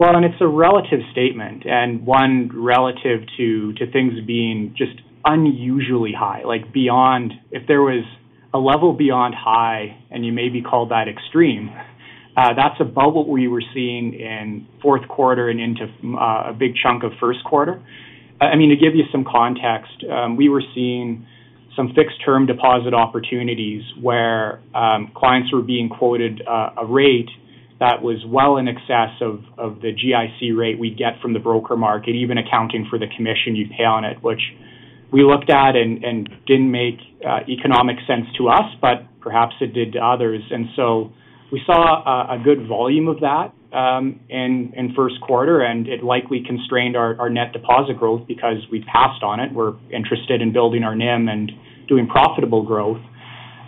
Well, it's a relative statement and one relative to things being just unusually high, like beyond. If there was a level beyond high, and you maybe call that extreme, that's above what we were seeing in fourth quarter and into a big chunk of first quarter. I mean, to give you some context, we were seeing some fixed-term deposit opportunities where clients were being quoted a rate that was well in excess of the GIC rate we'd get from the broker market, even accounting for the commission you'd pay on it, which we looked at and didn't make economic sense to us, but perhaps it did to others. We saw a good volume of that in first quarter, and it likely constrained our net deposit growth because we passed on it. We're interested in building our NIM and doing profitable growth.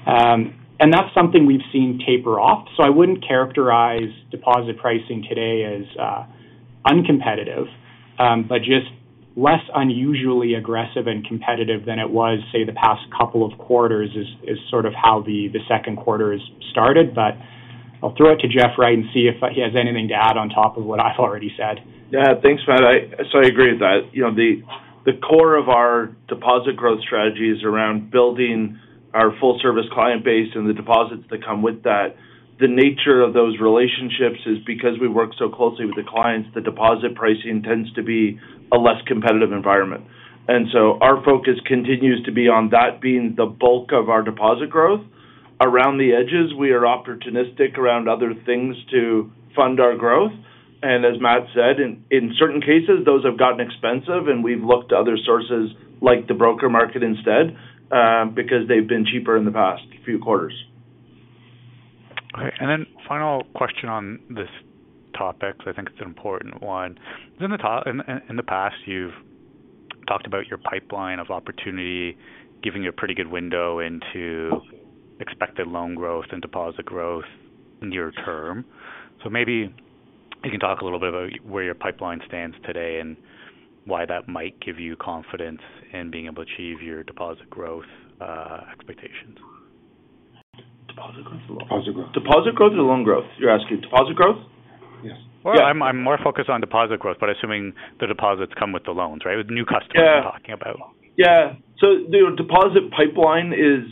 That's something we've seen taper off. I wouldn't characterize deposit pricing today as uncompetitive, but just less unusually aggressive and competitive than it was, say, the past couple of quarters is sort of how the second quarter is started. I'll throw it to Jeff Wright and see if he has anything to add on top of what I've already said. Yeah. Thanks, Matt. I agree with that. You know, the core of our deposit growth strategy is around building our full service client base and the deposits that come with that. The nature of those relationships is because we work so closely with the clients, the deposit pricing tends to be a less competitive environment. Our focus continues to be on that being the bulk of our deposit growth. Around the edges, we are opportunistic around other things to fund our growth, and as Matt said, in certain cases, those have gotten expensive, and we've looked to other sources like the broker market instead, because they've been cheaper in the past few quarters. Final question on this topic, so I think it's an important one. In the past, you've talked about your pipeline of opportunity, giving you a pretty good window into expected loan growth and deposit growth near term. Maybe you can talk a little bit about where your pipeline stands today and why that might give you confidence in being able to achieve your deposit growth expectations. Deposit growth or loan growth? Deposit growth. Deposit growth or loan growth? You're asking deposit growth? Yes. Well, I'm more focused on deposit growth, but assuming the deposits come with the loans, right? With new customers... Yeah you're talking about. Yeah. The deposit pipeline is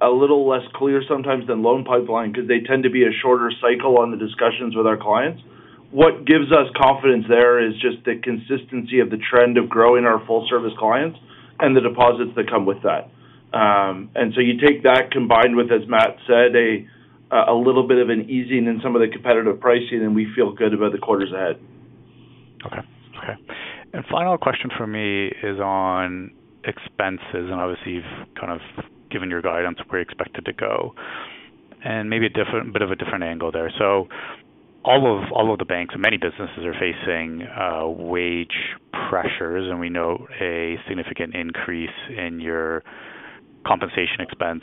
a little less clear sometimes than loan pipeline because they tend to be a shorter cycle on the discussions with our clients. What gives us confidence there is just the consistency of the trend of growing our full service clients and the deposits that come with that. You take that combined with, as Matt said, a little bit of an easing in some of the competitive pricing, and we feel good about the quarters ahead. Okay. Final question for me is on expenses, obviously, you've kind of given your guidance where you expect it to go, and maybe a bit of a different angle there. All of the banks and many businesses are facing wage pressures, and we know a significant increase in your compensation expense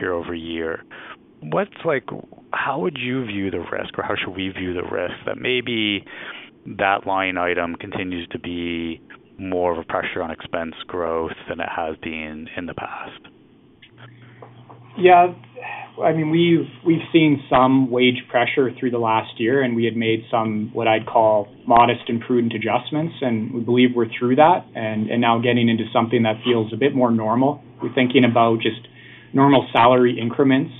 year-over-year. How would you view the risk or how should we view the risk that maybe that line item continues to be more of a pressure on expense growth than it has been in the past? Yeah. I mean, we've seen some wage pressure through the last year. We had made some, what I'd call modest and prudent adjustments. We believe we're through that and now getting into something that feels a bit more normal. We're thinking about just normal salary increments.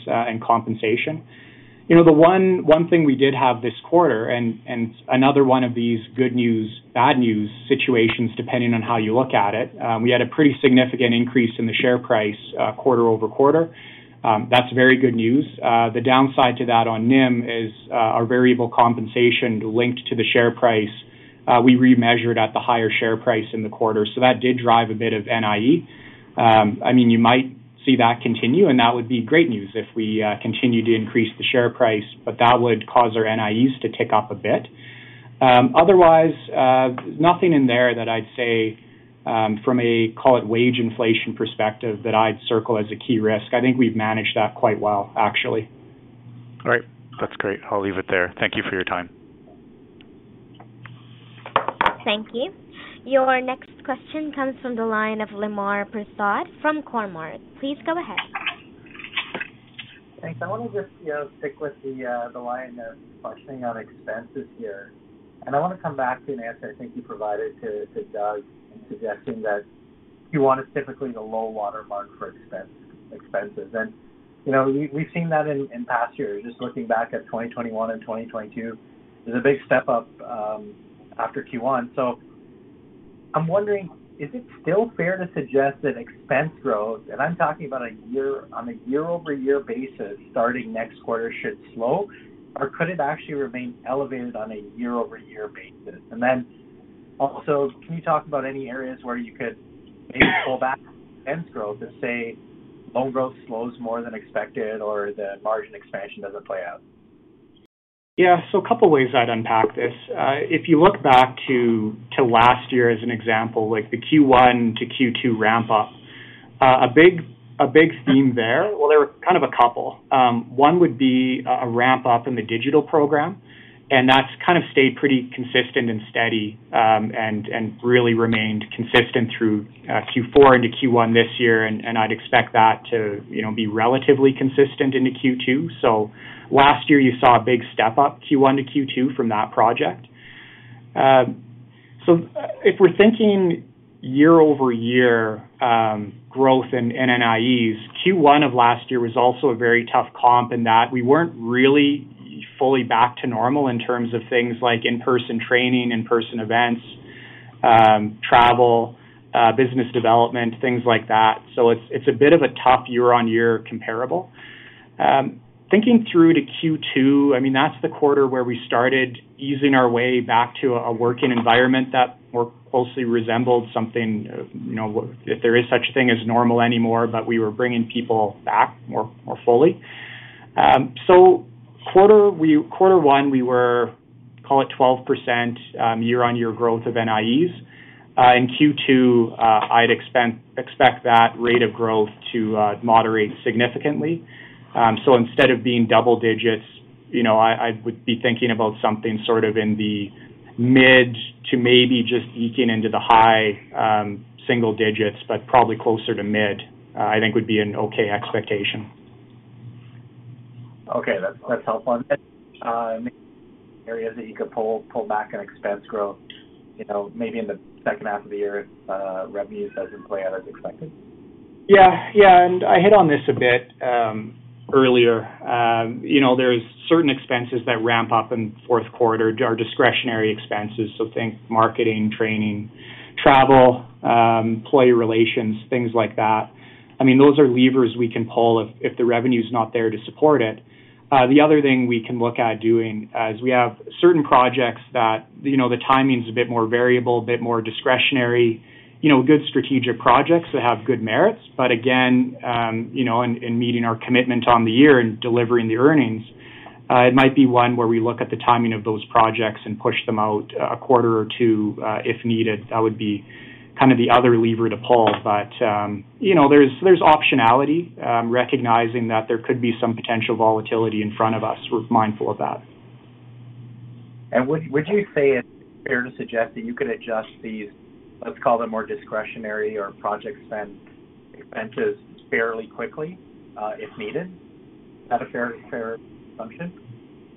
Compensation. You know, the one thing we did have this quarter and another one of these good news, bad news situations, depending on how you look at it, we had a pretty significant increase in the share price quarter-over-quarter. That's very good news. The downside to that on NIM is our variable compensation linked to the share price. We remeasured at the higher share price in the quarter. That did drive a bit of NIE. I mean, you might see that continue, and that would be great news if we continue to increase the share price, but that would cause our NIEs to tick up a bit. Otherwise, nothing in there that I'd say from a, call it, wage inflation perspective that I'd circle as a key risk. I think we've managed that quite well, actually. All right. That's great. I'll leave it there. Thank you for your time. Thank you. Your next question comes from the line of Lemar Persaud from Cormark. Please go ahead. Thanks. I wanna just, you know, stick with the line of questioning on expenses here. I wanna come back to an answer I think you provided to Doug in suggesting that Q1 is typically the low water mark for expenses. You know, we've seen that in past years. Just looking back at 2021 and 2022, there's a big step up after Q1. I'm wondering, is it still fair to suggest that expense growth, and I'm talking about a year-over-year basis, starting next quarter should slow, or could it actually remain elevated on a year-over-year basis? Also, can you talk about any areas where you could maybe pull back expense growth and say loan growth slows more than expected or the margin expansion doesn't play out? Yeah. A couple ways I'd unpack this. If you look back to last year as an example, like the Q1 to Q2 ramp up, a big theme there. Well, there were kind of a couple. One would be a ramp up in the digital program, and that's kind of stayed pretty consistent and steady, and really remained consistent through Q4 into Q1 this year. I'd expect that to, you know, be relatively consistent into Q2. Last year, you saw a big step up Q1 to Q2 from that project. If we're thinking year-over-year, growth in NIEs, Q1 of last year was also a very tough comp in that we weren't really fully back to normal in terms of things like in-person training, in-person events, travel, business development, things like that. It's, it's a bit of a tough year-on-year comparable. Thinking through to Q2, I mean, that's the quarter where we started easing our way back to a working environment that more closely resembled something, you know, if there is such thing as normal anymore, but we were bringing people back more, more fully. Quarter one, we were, call it 12%, year-on-year growth of NIEs. In Q2, I'd expect that rate of growth to moderate significantly. Instead of being double digits, you know, I would be thinking about something sort of in the mid to maybe just eking into the high, single digits, but probably closer to mid, I think would be an okay expectation. Okay. That's helpful. Areas that you could pull back on expense growth, you know, maybe in the second half of the year if revenues doesn't play out as expected? Yeah. Yeah, I hit on this a bit earlier. You know, there's certain expenses that ramp up in fourth quarter, are discretionary expenses, so think marketing, training, travel, employee relations, things like that. I mean, those are levers we can pull if the revenue's not there to support it. The other thing we can look at doing is we have certain projects that, you know, the timing's a bit more variable, a bit more discretionary. You know, good strategic projects that have good merits. Again, you know, in meeting our commitment on the year and delivering the earnings, it might be one where we look at the timing of those projects and push them out a quarter or two, if needed. That would be kind of the other lever to pull. you know, there's optionality, recognizing that there could be some potential volatility in front of us. We're mindful of that. Would you say it's fair to suggest that you could adjust these, let's call them more discretionary or project spend expenses fairly quickly, if needed? Is that a fair assumption?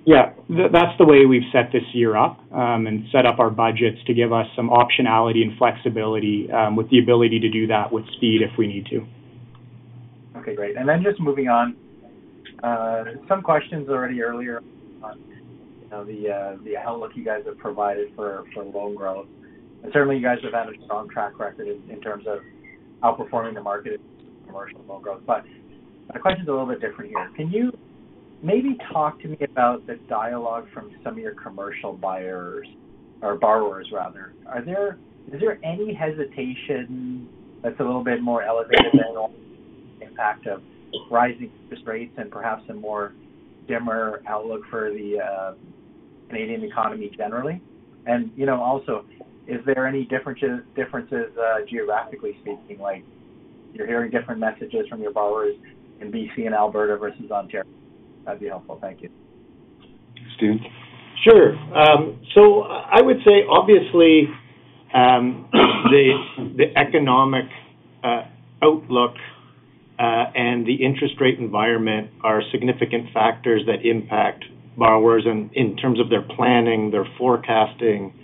Yeah. That's the way we've set this year up, and set up our budgets to give us some optionality and flexibility, with the ability to do that with speed if we need to. Okay, great. Just moving on, some questions already earlier on, you know, the outlook you guys have provided for loan growth. Certainly you guys have had a strong track record in terms of outperforming the market commercial loan growth. My question is a little bit different here. Can you maybe talk to me about the dialogue from some of your commercial buyers or borrowers rather? Is there any hesitation that's a little bit more elevated than normal impact of rising interest rates and perhaps a more dimmer outlook for the Canadian economy generally? You know, also, is there any differences geographically speaking? Like, you're hearing different messages from your borrowers in BC and Alberta versus Ontario. That'd be helpful. Thank you. Steve? Sure. I would say obviously, the economic outlook and the interest rate environment are significant factors that impact borrowers in terms of their planning, their forecasting,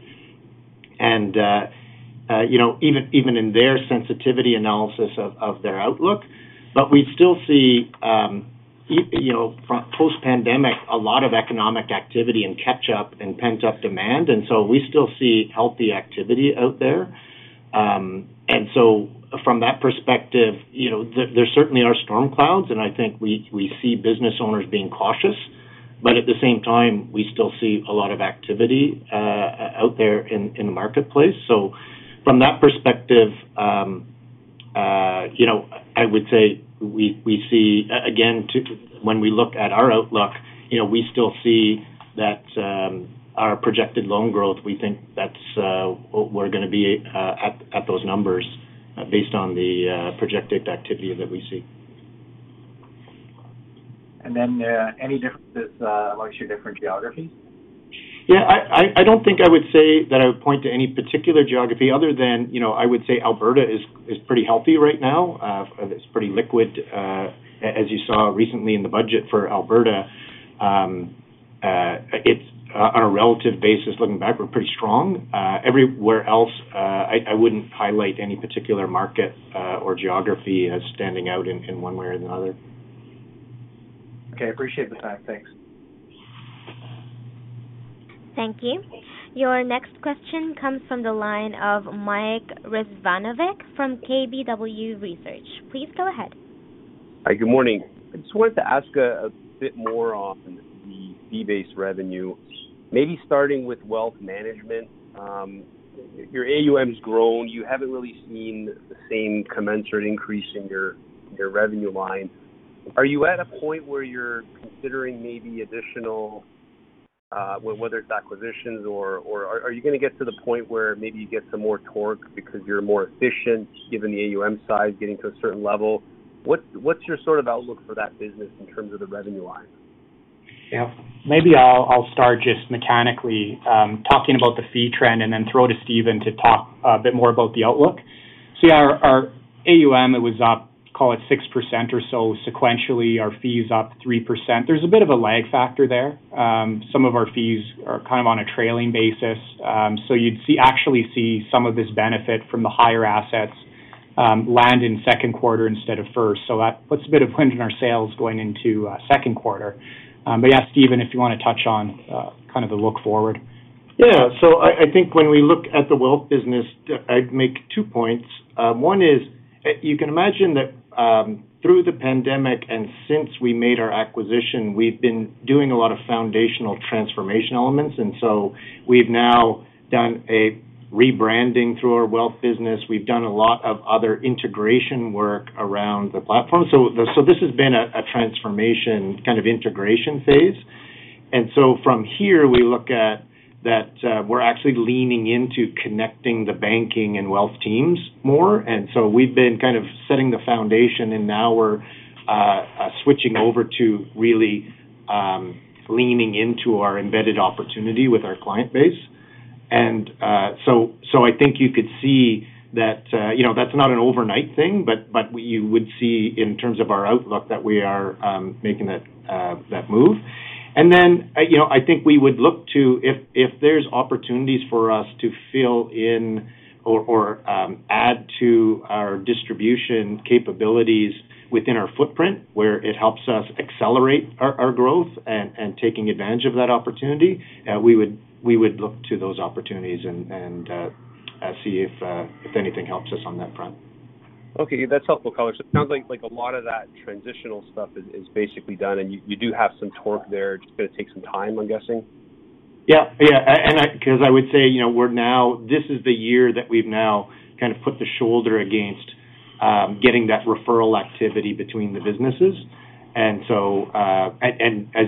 and, you know, even in their sensitivity analysis of their outlook. We still see, you know, post-pandemic, a lot of economic activity and catch-up and pent-up demand, we still see healthy activity out there. From that perspective, you know, there certainly are storm clouds, and I think we see business owners being cautious. At the same time, we still see a lot of activity, out there in the marketplace. From that perspective, you know, I would say we see... When we look at our outlook, you know, we still see that, our projected loan growth, we think that's, we're going to be at those numbers based on the projected activity that we see. Any differences amongst your different geographies? Yeah, I don't think I would say that I would point to any particular geography other than, you know, I would say Alberta is pretty healthy right now. It's pretty liquid. As you saw recently in the budget for Alberta, it's on a relative basis, looking back, we're pretty strong. Everywhere else, I wouldn't highlight any particular market or geography as standing out in one way or another. Okay. Appreciate the time. Thanks. Thank you. Your next question comes from the line of Mike Rizvanovic from KBW Research. Please go ahead. Hi. Good morning. I just wanted to ask a bit more on the fee-based revenue, maybe starting with wealth management. Your AUM has grown. You haven't really seen the same commensurate increase in your revenue line. Are you at a point where you're considering maybe additional, whether it's acquisitions or are you going to get to the point where maybe you get some more torque because you're more efficient given the AUM size getting to a certain level? What's your sort of outlook for that business in terms of the revenue line? Yeah. Maybe I'll start just mechanically, talking about the fee trend and then throw to Stephen to talk a bit more about the outlook. Yeah, our AUM was up, call it 6% or so sequentially. Our fee is up 3%. There's a bit of a lag factor there. Some of our fees are kind of on a trailing basis. Actually see some of this benefit from the higher assets land in second quarter instead of first. That puts a bit of wind in our sails going into second quarter. Yeah, Stephen, if you want to touch on kind of the look forward. Yeah. I think when we look at the wealth business, I'd make two points. One is, you can imagine that through the pandemic and since we made our acquisition, we've been doing a lot of foundational transformation elements. We've now done a rebranding through our wealth business. We've done a lot of other integration work around the platform. This has been a transformation kind of integration phase. From here, we look at that, we're actually leaning into connecting the banking and wealth teams more. We've been kind of setting the foundation, and now we're switching over to really leaning into our embedded opportunity with our client base. I think you could see that, you know, that's not an overnight thing, but you would see in terms of our outlook that we are making that move. You know, I think we would look to if there's opportunities for us to fill in or add to our distribution capabilities within our footprint, where it helps us accelerate our growth and taking advantage of that opportunity, we would look to those opportunities and see if anything helps us on that front. Okay. That's helpful color. It sounds like a lot of that transitional stuff is basically done, and you do have some torque there. It's just gonna take some time, I'm guessing. Yeah. Yeah. I 'cause I would say, you know, we're now this is the year that we've now kind of put the shoulder against, getting that referral activity between the businesses. As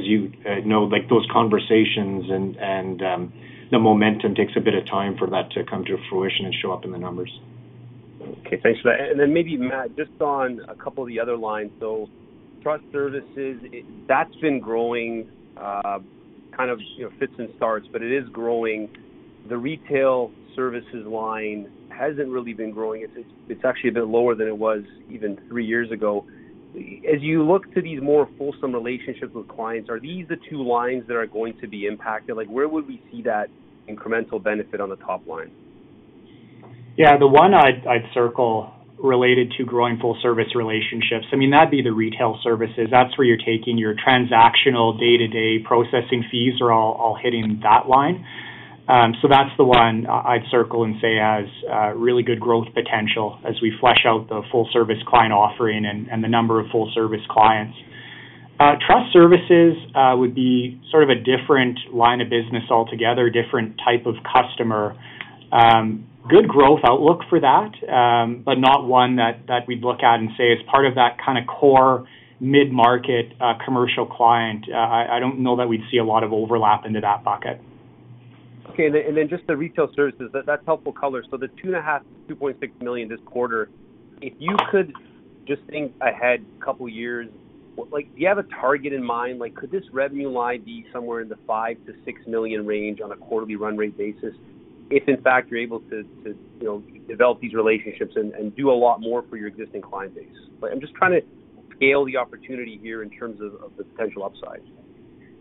you know, like, those conversations and the momentum takes a bit of time for that to come to fruition and show up in the numbers. Thanks for that. Maybe, Matt, just on a couple of the other lines. Trust services, that's been growing, kind of, you know, fits and starts, but it is growing. The retail services line hasn't really been growing. It's actually a bit lower than it was even three years ago. As you look to these more fulsome relationships with clients, are these the two lines that are going to be impacted? Where would we see that incremental benefit on the top line? The one I'd circle related to growing full service relationships, I mean, that'd be the retail services. That's where you're taking your transactional day-to-day processing fees are all hitting that line. That's the one I'd circle and say has really good growth potential as we flesh out the full service client offering and the number of full service clients. Trust services would be sort of a different line of business altogether, different type of customer. Good growth outlook for that, not one that we'd look at and say is part of that kind of core mid-market commercial client. I don't know that we'd see a lot of overlap into that bucket. Okay. Just the retail services, that's helpful color. The 2.5 million, 2.6 million this quarter, if you could just think ahead couple years, do you have a target in mind? Could this revenue line be somewhere in the 5 million-6 million range on a quarterly run rate basis if in fact you're able to, you know, develop these relationships and do a lot more for your existing client base? I'm just trying to scale the opportunity here in terms of the potential upside.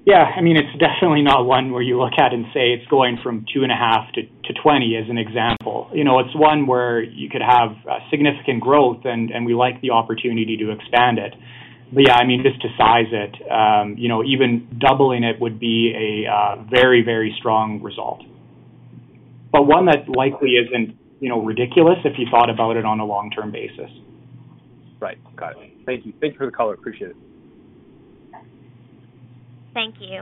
Yeah. I mean, it's definitely not one where you look at and say it's going from 2.5 to 20, as an example. You know, it's one where you could have significant growth, and we like the opportunity to expand it. Yeah, I mean, just to size it, you know, even doubling it would be a very, very strong result, but one that likely isn't, you know, ridiculous if you thought about it on a long-term basis. Right. Got it. Thank you. Thanks for the color. Appreciate it. Thank you.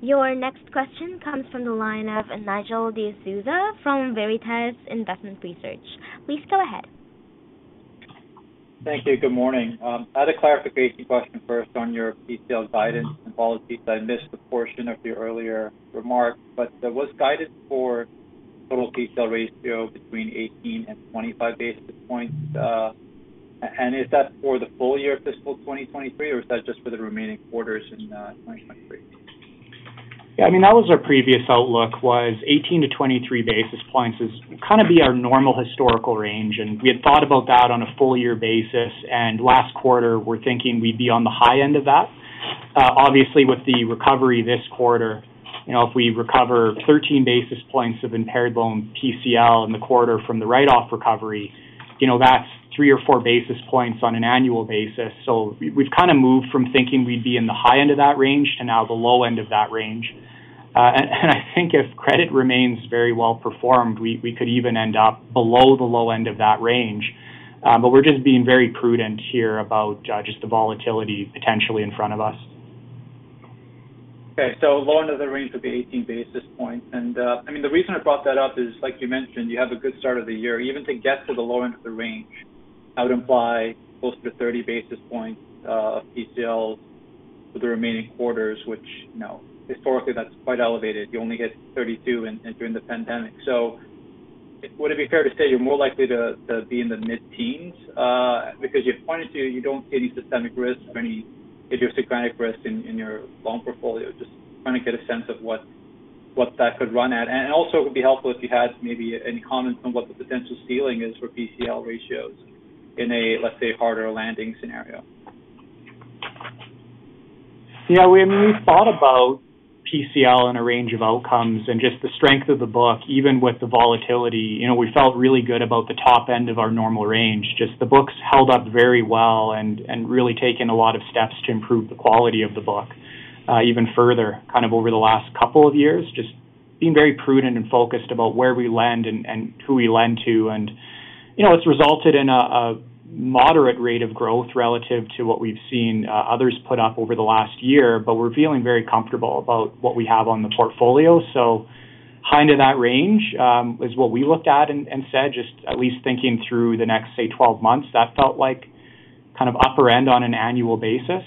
Your next question comes from the line of Nigel D'Souza from Veritas Investment Research. Please go ahead. Thank you. Good morning. I had a clarification question first on your PCL guidance and policies. I missed the portion of the earlier remarks, but there was guidance for total PCL ratio between 18 and 25 basis points. Is that for the full year of fiscal 2023, or is that just for the remaining quarters in 2023? I mean, that was our previous outlook, was 18-23 basis points is kind of be our normal historical range, we had thought about that on a full year basis. Last quarter, we're thinking we'd be on the high end of that. Obviously, with the recovery this quarter, you know, if we recover 13 basis points of impaired loan PCL in the quarter from the write-off recovery, you know, that's 3 or 4 basis points on an annual basis. We've kind of moved from thinking we'd be in the high end of that range to now the low end of that range. And I think if credit remains very well performed, we could even end up below the low end of that range. We're just being very prudent here about just the volatility potentially in front of us. Low end of the range would be 18 basis points. I mean, the reason I brought that up is, like you mentioned, you have a good start of the year. Even to get to the low end of the range, that would imply close to 30 basis points of PCL for the remaining quarters, which, you know, historically, that's quite elevated. You only hit 32 during the pandemic. Would it be fair to say you're more likely to be in the mid-teens? Because you've pointed to you don't see any systemic risk or any idiosyncratic risk in your loan portfolio. Just trying to get a sense of what that could run at. Also it would be helpful if you had maybe any comments on what the potential ceiling is for PCL ratios in a, let's say, harder landing scenario? Yeah. I mean, we've thought about PCL in a range of outcomes and just the strength of the book, even with the volatility. You know, we felt really good about the top end of our normal range. Just the book's held up very well and really taken a lot of steps to improve the quality of the book. Even further kind of over the last couple of years, just being very prudent and focused about where we lend and who we lend to. You know, it's resulted in a moderate rate of growth relative to what we've seen others put up over the last year, but we're feeling very comfortable about what we have on the portfolio. High into that range is what we looked at and said, just at least thinking through the next, say, 12 months, that felt like kind of upper end on an annual basis.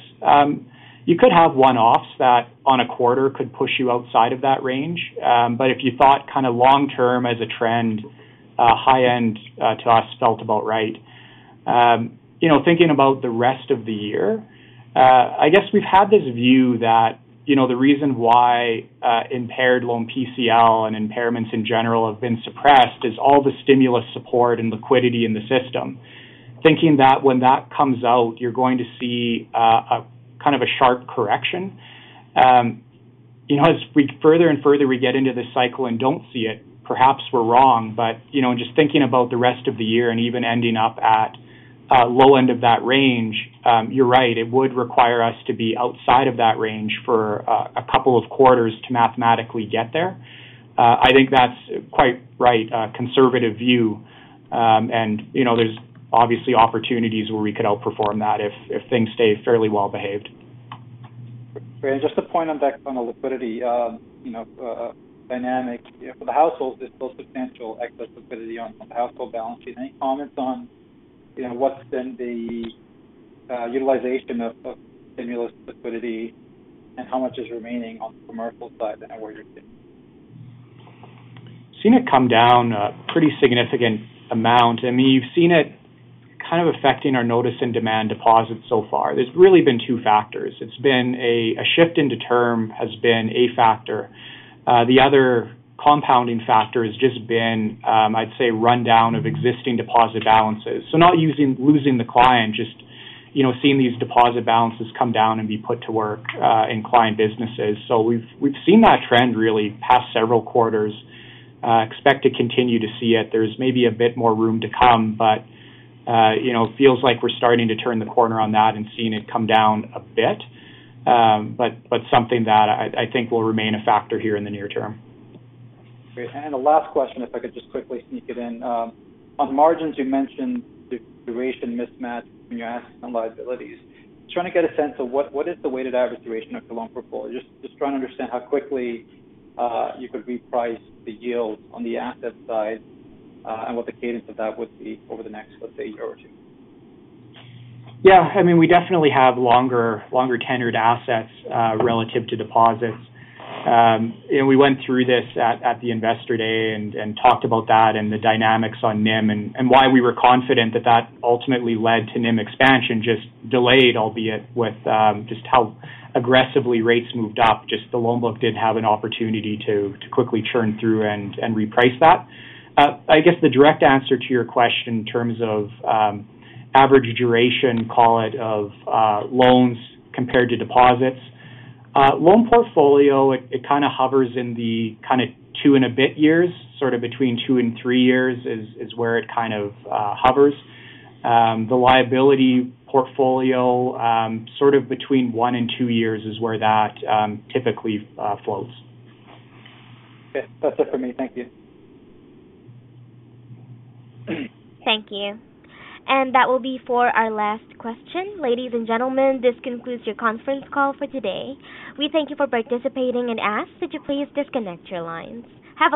You could have one-offs that on a quarter could push you outside of that range. If you thought kind of long-term as a trend, high end to us felt about right. You know, thinking about the rest of the year, I guess we've had this view that, you know, the reason why impaired loan PCL and impairments in general have been suppressed is all the stimulus support and liquidity in the system. Thinking that when that comes out, you're going to see a kind of a sharp correction. You know, as we further and further we get into this cycle and don't see it, perhaps we're wrong, but, you know, just thinking about the rest of the year and even ending up at low end of that range, you're right, it would require us to be outside of that range for a couple of quarters to mathematically get there. I think that's quite right, a conservative view, and, you know, there's obviously opportunities where we could outperform that if things stay fairly well behaved. Great. Just a point on that, on the liquidity, you know, dynamic. You know, for the households, there's still substantial excess liquidity on the household balance sheet. Any comments on, you know, what's been the utilization of stimulus liquidity and how much is remaining on the commercial side and where you're seeing? Seen it come down a pretty significant amount. I mean, you've seen it kind of affecting our notice and demand deposits so far. There's really been two factors. It's been a shift into term has been a factor. The other compounding factor has just been, I'd say rundown of existing deposit balances. Not losing the client, just, you know, seeing these deposit balances come down and be put to work in client businesses. We've, we've seen that trend really the past several quarters. Expect to continue to see it. There's maybe a bit more room to come, but, you know, it feels like we're starting to turn the corner on that and seeing it come down a bit. Something that I think will remain a factor here in the near term. Great. The last question, if I could just quickly sneak it in. On margins, you mentioned the duration mismatch when you're asking some liabilities. Trying to get a sense of what is the weighted average duration of the loan portfolio? Just trying to understand how quickly you could reprice the yields on the asset side, and what the cadence of that would be over the next, let's say, year or two? Yeah. I mean, we definitely have longer tenured assets, relative to deposits. We went through this at the investor day and talked about that and the dynamics on NIM and why we were confident that that ultimately led to NIM expansion, just delayed, albeit with, just how aggressively rates moved up, just the loan book did have an opportunity to quickly churn through and reprice that. I guess the direct answer to your question in terms of average duration, call it, of loans compared to deposits. Loan portfolio, it kind of hovers in the kind of two and a bit years, sort of between two and three years is where it kind of hovers. The liability portfolio, sort of between one and two years is where that typically flows. Okay. That's it for me. Thank you. Thank you. That will be for our last question. Ladies and gentlemen, this concludes your conference call for today. We thank you for participating and ask that you please disconnect your lines. Have a lovely day.